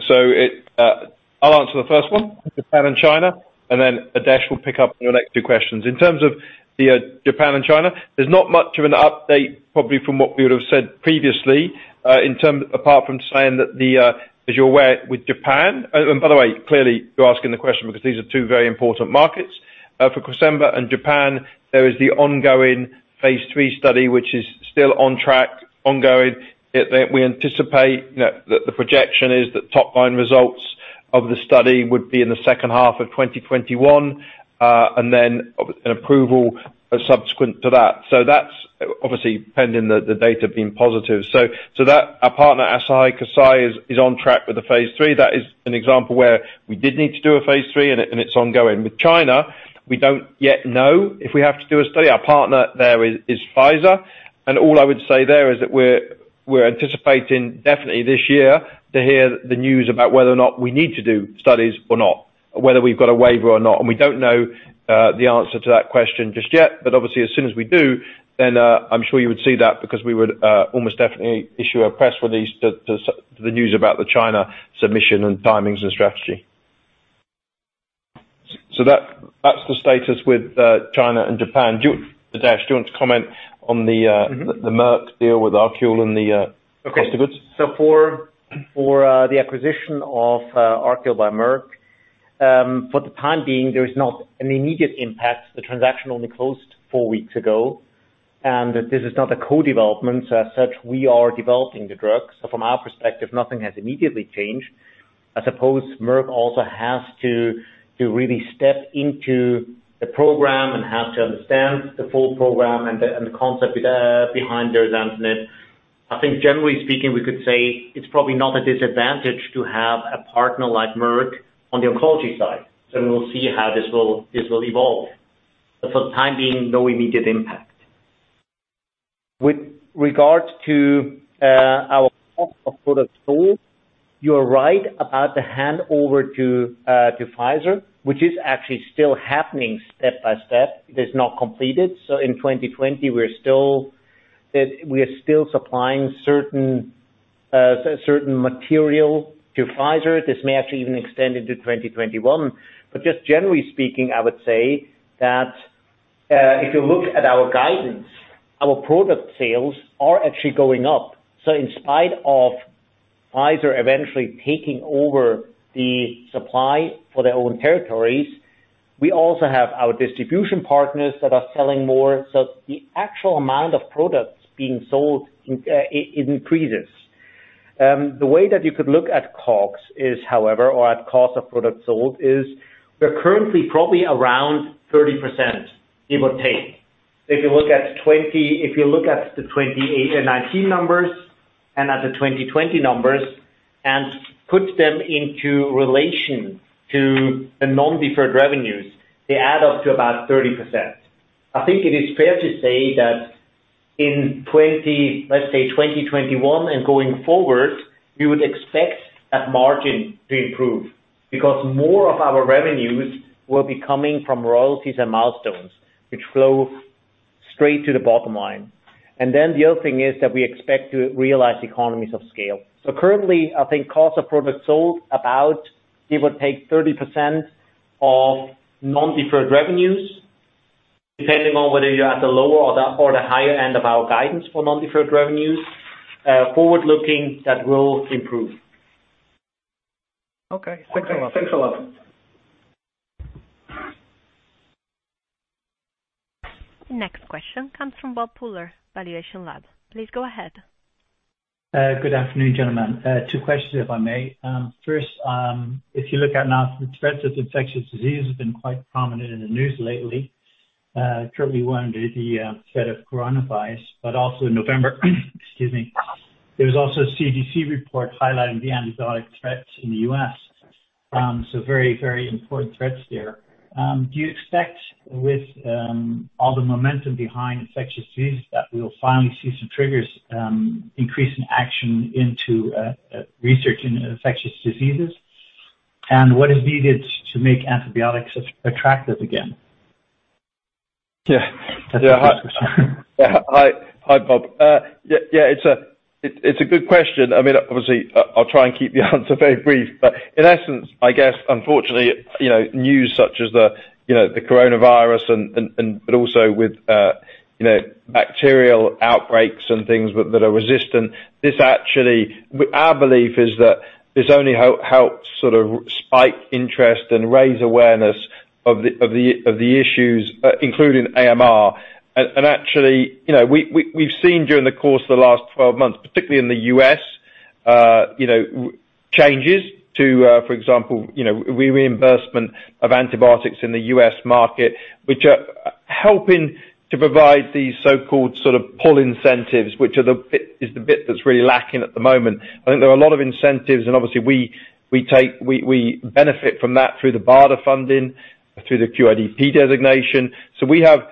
S2: I'll answer the first one, Japan and China, and then Adesh will pick up on your next two questions. In terms of Japan and China, there's not much of an update, probably from what we would have said previously, apart from saying that the, as you're aware with and by the way, clearly you're asking the question because these are two very important markets. For Cresemba and Japan, there is the ongoing phase III study, which is still on track, ongoing. We anticipate that the projection is that top-line results of the study would be in the second half of 2021, and then an approval subsequent to that. That's obviously pending the data being positive. That our partner, Asahi Kasei is on track with the phase III. That is an example where we did need to do a phase III, and it's ongoing. With China, we don't yet know if we have to do a study. Our partner there is Pfizer. All I would say there is that we're anticipating definitely this year to hear the news about whether or not we need to do studies or not, whether we've got a waiver or not. We don't know the answer to that question just yet. Obviously, as soon as we do, then I'm sure you would see that because we would almost definitely issue a press release to the news about the China submission and timings and strategy. That's the status with China and Japan. Adesh, do you want to comment on the Merck deal with ArQule and the cost of goods?
S3: For the acquisition of ArQule by Merck, for the time being, there is not an immediate impact. The transaction only closed four weeks ago. This is not a co-development, as such, we are developing the drug. From our perspective, nothing has immediately changed. I suppose Merck also has to really step into the program and have to understand the full program and the concept behind derazantinib. I think generally speaking, we could say it's probably not a disadvantage to have a partner like Merck on the oncology side. We will see how this will evolve. For the time being, no immediate impact. With regards to our cost of product sold, you're right about the handover to Pfizer, which is actually still happening step by step. It is not completed. In 2020, we're still supplying certain material to Pfizer. This may actually even extend into 2021. Just generally speaking, I would say that, if you look at our guidance, our product sales are actually going up. In spite of Pfizer eventually taking over the supply for their own territories, we also have our distribution partners that are selling more. The actual amount of products being sold, it increases. The way that you could look at COGS is however, or at cost of products sold, is we're currently probably around 30%, give or take. If you look at the 2018 and 2019 numbers and at the 2020 numbers and put them into relation to the non-deferred revenues, they add up to about 30%. I think it is fair to say that in, let's say 2021 and going forward, we would expect that margin to improve because more of our revenues will be coming from royalties and milestones, which flow straight to the bottom line. The other thing is that we expect to realize economies of scale. Currently, I think cost of products sold about give or take 30% of non-deferred revenues, depending on whether you're at the lower or the higher end of our guidance for non-deferred revenues. Forward looking, that will improve.
S10: Okay. Thanks a lot.
S2: Thanks a lot.
S1: Next question comes from Bob Pooler, valuationLAB. Please go ahead.
S11: Good afternoon, gentlemen. Two questions, if I may. First, if you look at now, the threats of infectious disease have been quite prominent in the news lately. Currently one is the threat of coronavirus, but also in November, excuse me. There was also a CDC report highlighting the antibiotic threats in the U.S. Very important threats there. Do you expect with all the momentum behind infectious diseases, that we will finally see some triggers increase in action into research in infectious diseases? What is needed to make antibiotics attractive again?
S2: Yeah.
S4: Yeah.
S2: Hi, Bob. Yeah, it's a good question. Obviously, I'll try and keep the answer very brief. In essence, I guess unfortunately, news such as the coronavirus but also with bacterial outbreaks and things that are resistant, our belief is that this only helps sort of spike interest and raise awareness of the issues, including AMR. Actually, we've seen during the course of the last 12 months, particularly in the U.S., changes to, for example, reinvestment of antibiotics in the U.S. market, which are helping to provide these so-called sort of pull incentives, which is the bit that's really lacking at the moment. I think there are a lot of incentives, obviously we benefit from that through the BARDA funding, through the QIDP designation. We have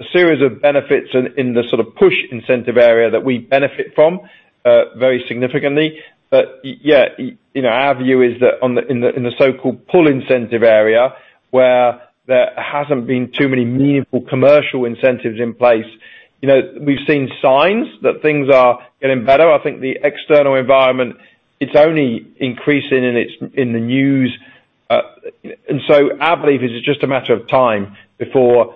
S2: a series of benefits in the sort of push incentive area that we benefit from, very significantly. Yeah, our view is that in the so-called pull incentive area, where there hasn't been too many meaningful commercial incentives in place. We've seen signs that things are getting better. I think the external environment, it's only increasing and it's in the news. Our belief is it's just a matter of time before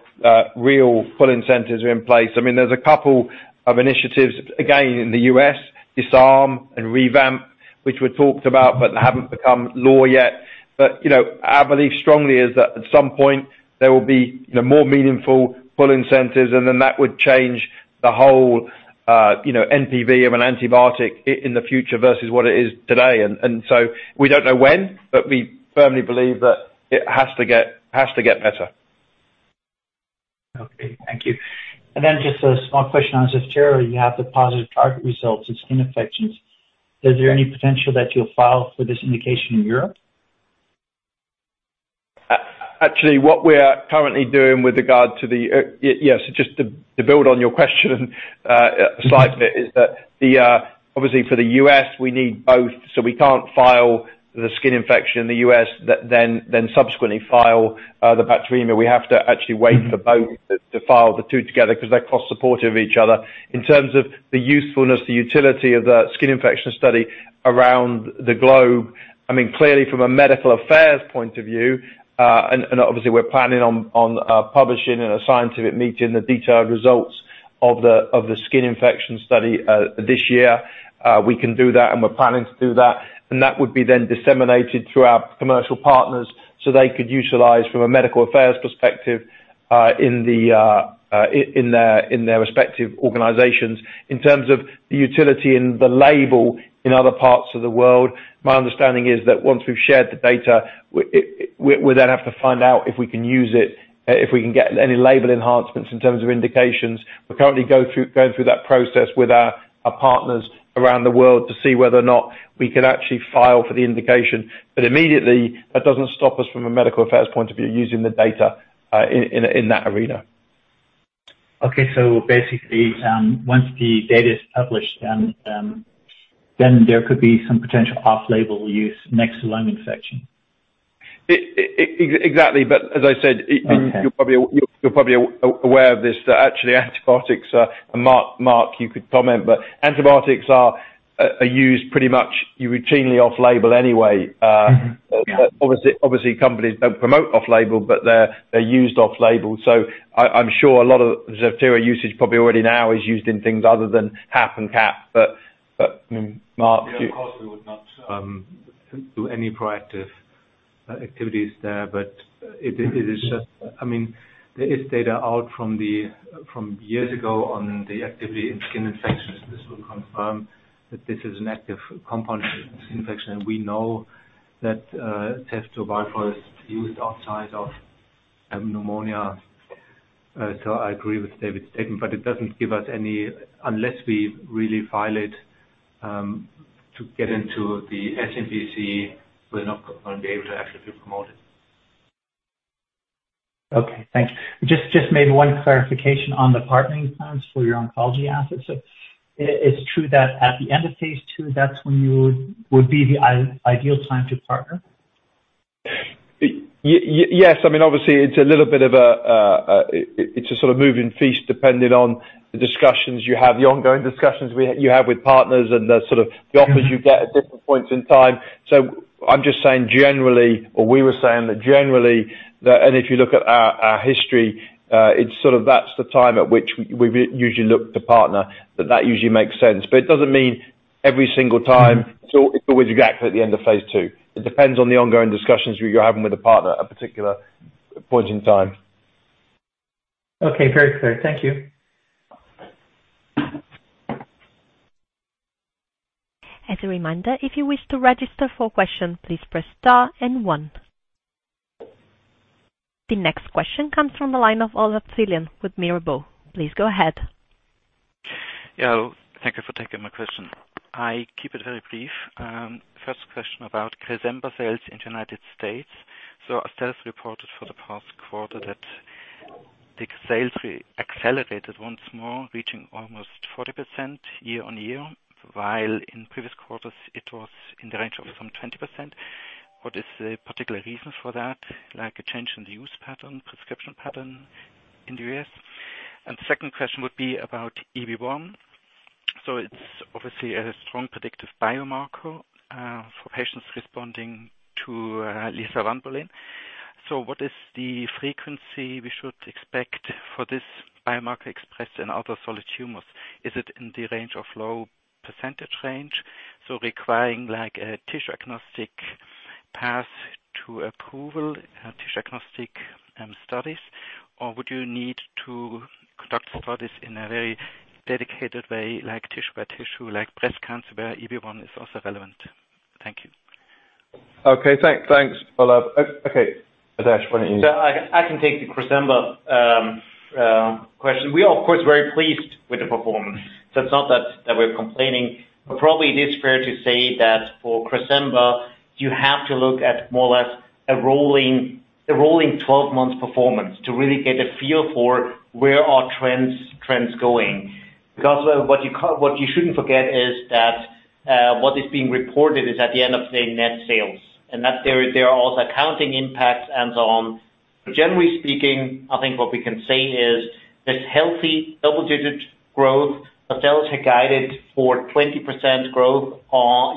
S2: real pull incentives are in place. There's a couple of initiatives, again, in the U.S., DISARM and REVAMP, which were talked about, but they haven't become law yet. I believe strongly is that at some point, there will be more meaningful pull incentives, and then that would change the whole NPV of an antibiotic in the future versus what it is today. We don't know when, but we firmly believe that it has to get better.
S11: Okay. Thank you. Just a small question on ZEVTERA. You have the positive TARGET results in skin infections. Is there any potential that you'll file for this indication in Europe?
S2: Actually, what we're currently doing with regard to the Yes, just to build on your question, slightly, is that obviously for the U.S., we need both. We can't file the skin infection in the U.S. then subsequently file the bacteremia. We have to actually wait for both to file the two together because they're cross-supportive of each other. In terms of the usefulness, the utility of the skin infection study around the globe, clearly from a medical affairs point of view, and obviously we're planning on publishing in a scientific meeting the detailed results of the skin infection study this year. We can do that, and we're planning to do that. That would be then disseminated through our commercial partners so they could utilize from a medical affairs perspective in their respective organizations. In terms of the utility and the label in other parts of the world, my understanding is that once we've shared the data, we'll then have to find out if we can use it, if we can get any label enhancements in terms of indications. We're currently going through that process with our partners around the world to see whether or not we can actually file for the indication. Immediately, that doesn't stop us from a medical affairs point of view, using the data in that arena.
S11: Okay. Basically, once the data is published, then there could be some potential off-label use next to lung infection.
S2: Exactly. As I said-
S11: Okay.
S2: You're probably aware of this, that actually Marc, you could comment, but antibiotics are used pretty much routinely off-label anyway.
S11: Mm-hmm. Yeah.
S2: Obviously, companies don't promote off label, but they're used off label. I'm sure a lot of ZEVTERA usage probably already now is used in things other than HAP and CAP. Marc, you.
S4: Of course, we would not do any proactive activities there, but there is data out from years ago on the activity in skin infections. This will confirm that this is an active compound in skin infection. We know that ceftobiprole is used outside of pneumonia. I agree with David's statement, but it doesn't give us any, unless we really file it, to get into the SmPC, we're not going to be able to actually promote it.
S11: Okay, thanks. Just maybe one clarification on the partnering plans for your oncology assets. It is true that at the end of phase II, that's when you would be the ideal time to partner?
S2: Obviously, it's a sort of moving feast depending on the discussions you have, the ongoing discussions you have with partners and the sort of. the offers you get at different points in time. I'm just saying generally, or we were saying that generally, if you look at our history, it's sort of that's the time at which we usually look to partner, that usually makes sense. It doesn't mean every single time it's always exactly at the end of phase II. It depends on the ongoing discussions you're having with a partner at a particular point in time.
S11: Okay, very clear. Thank you.
S1: As a reminder, if you wish to register for question, please press star one. The next question comes from the line of Olav Zilian with Mirabaud. Please go ahead.
S12: Yeah. Thank you for taking my question. I keep it very brief. First question about Cresemba sales in the U.S. Astellas reported for the past quarter that the sales rate accelerated once more, reaching almost 40% year-over-year, while in previous quarters it was in the range of some 20%. What is the particular reason for that? Like a change in the use pattern, prescription pattern in the U.S. Second question would be about EB1. It's obviously a strong predictive biomarker for patients responding to lisavanbulin. What is the frequency we should expect for this biomarker expressed in other solid tumors? Is it in the range of low percentage range, so requiring a tissue-agnostic path to approval, tissue-agnostic studies, or would you need to conduct studies in a very dedicated way, like tissue by tissue, like breast cancer, where EB1 is also relevant? Thank you.
S2: Okay. Thanks, Olav. Okay, Adesh, why don't you-
S3: I can take the Cresemba question. We are, of course, very pleased with the performance. It's not that we're complaining, but probably it is fair to say that for Cresemba, you have to look at more or less a rolling 12 months performance to really get a feel for where are trends going. What you shouldn't forget is that what is being reported is at the end of the net sales. That there are also accounting impacts and so on. Generally speaking, I think what we can say is there's healthy double-digit growth. Astellas had guided for 20% growth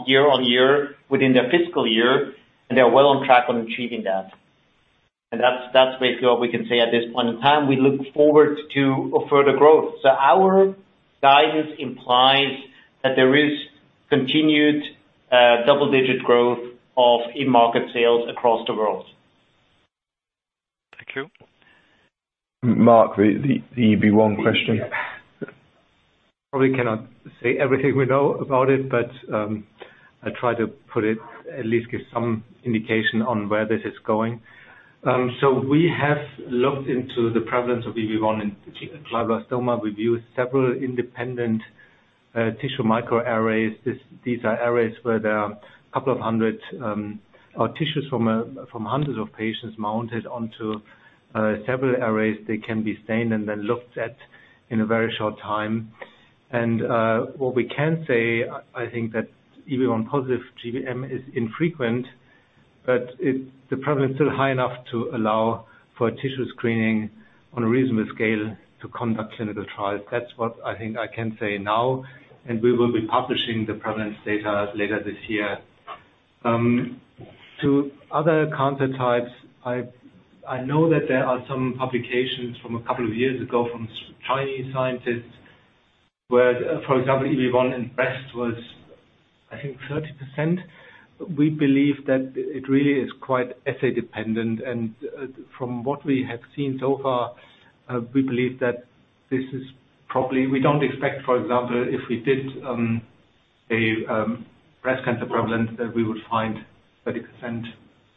S3: year-over-year within their fiscal year, and they are well on track on achieving that. That's basically what we can say at this point in time. We look forward to further growth. Our guidance implies that there is continued double-digit growth of e-market sales across the world.
S12: Thank you.
S2: Marc, the EB1 question.
S4: Probably cannot say everything we know about it, but I'll try to at least give some indication on where this is going. We have looked into the prevalence of EB1 in glioblastoma. We've used several independent tissue microarrays. These are arrays where there are a couple of hundred tissues from hundreds of patients mounted onto several arrays. They can be stained and then looked at in a very short time. What we can say, I think that EB1 positive GBM is infrequent, but the prevalence is still high enough to allow for tissue screening on a reasonable scale to conduct clinical trials. That's what I think I can say now, and we will be publishing the prevalence data later this year. To other cancer types, I know that there are some publications from a couple of years ago from Chinese scientists where, for example, EB1 in breast was, I think, 30%. We believe that it really is quite assay dependent. From what we have seen so far, we believe that we don't expect, for example, if we did a breast cancer prevalence, that we would find 30%.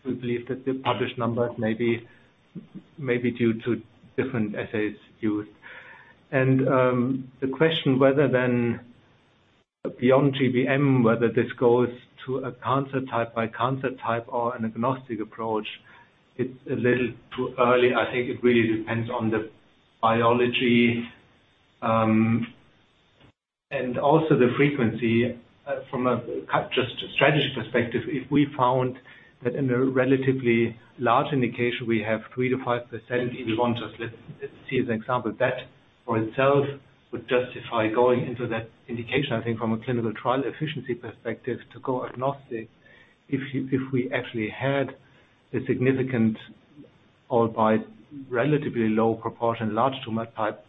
S4: We believe that the published numbers may be due to different assays used. The question whether then beyond GBM, whether this goes to a cancer type by cancer type or an agnostic approach, it's a little too early. I think it really depends on the biology and also the frequency from just a strategy perspective. If we found that in a relatively large indication, we have 3%-5% EB1, just let's see as an example, that for itself would justify going into that indication, I think from a clinical trial efficiency perspective to go agnostic. If we actually had a significant or by relatively low proportion large tumor type,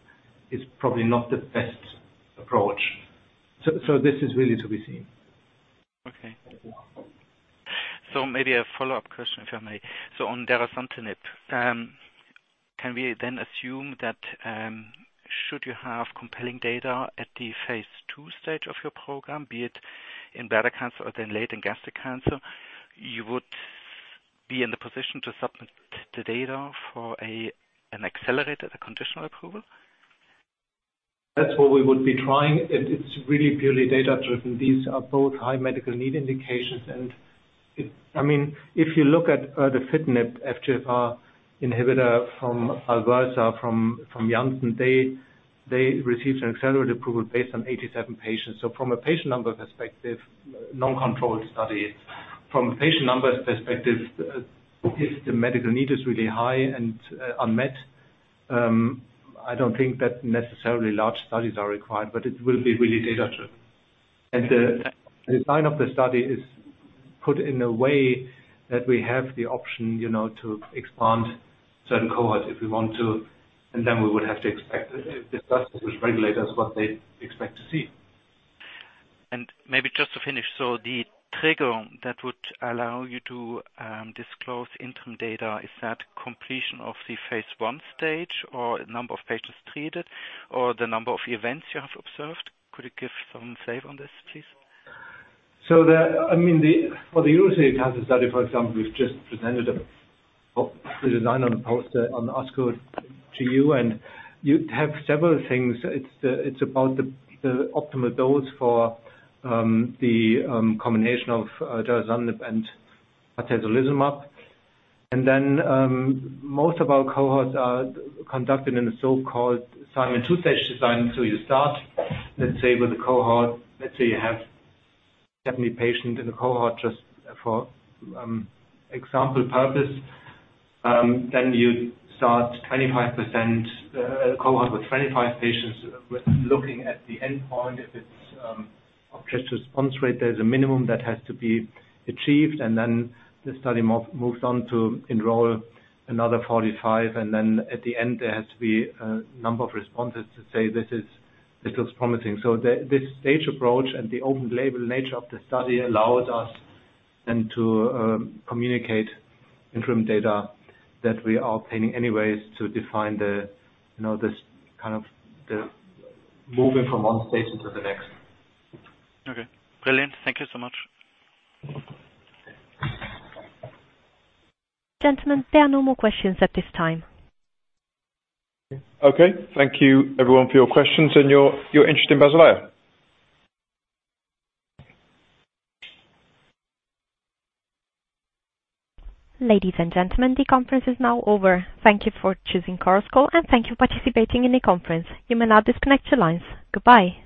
S4: it's probably not the best approach. This is really to be seen.
S12: Okay. Maybe a follow-up question, if I may. On derazantinib, can we then assume that should you have compelling data at the phase II stage of your program, be it in bladder cancer or then late in gastric cancer, you would be in the position to submit the data for an accelerated or conditional approval?
S4: That's what we would be trying. It's really purely data-driven. These are both high medical need indications and if you look at the erdafitinib FGFR inhibitor from BALVERSA, from Janssen, they received an accelerated approval based on 87 patients. From a patient numbers perspective, non-controlled study. From a patient numbers perspective, if the medical need is really high and unmet, I don't think that necessarily large studies are required, but it will be really data-driven. The design of the study is put in a way that we have the option to expand certain cohorts if we want to, and then we would have to expect, discuss with regulators what they expect to see.
S12: Maybe just to finish, the trigger that would allow you to disclose interim data, is that completion of the phase I stage, or number of patients treated, or the number of events you have observed? Could you give some flavor on this, please?
S4: For the urothelial cancer study, for example, we've just presented the design on the poster on ASCO to you, and you have several things. It's about the optimal dose for the combination of derazantinib and atezolizumab. Most of our cohorts are conducted in a so-called Simon two-stage design. You start, let's say, with a cohort, let's say you have 70 patients in the cohort, just for example purpose. Then you start a cohort with 25 patients looking at the endpoint. If it's objective response rate, there's a minimum that has to be achieved. The study moves on to enroll another 45. At the end, there has to be a number of responses to say, "This looks promising." This stage approach and the open label nature of the study allows us then to communicate interim data that we are obtaining anyways to define the moving from one station to the next.
S12: Okay, brilliant. Thank you so much.
S1: Gentlemen, there are no more questions at this time.
S2: Okay. Thank you everyone for your questions and your interest in Basilea.
S1: Ladies and gentlemen, the conference is now over. Thank you for choosing Chorus Call, and thank you for participating in the conference. You may now disconnect your lines. Goodbye.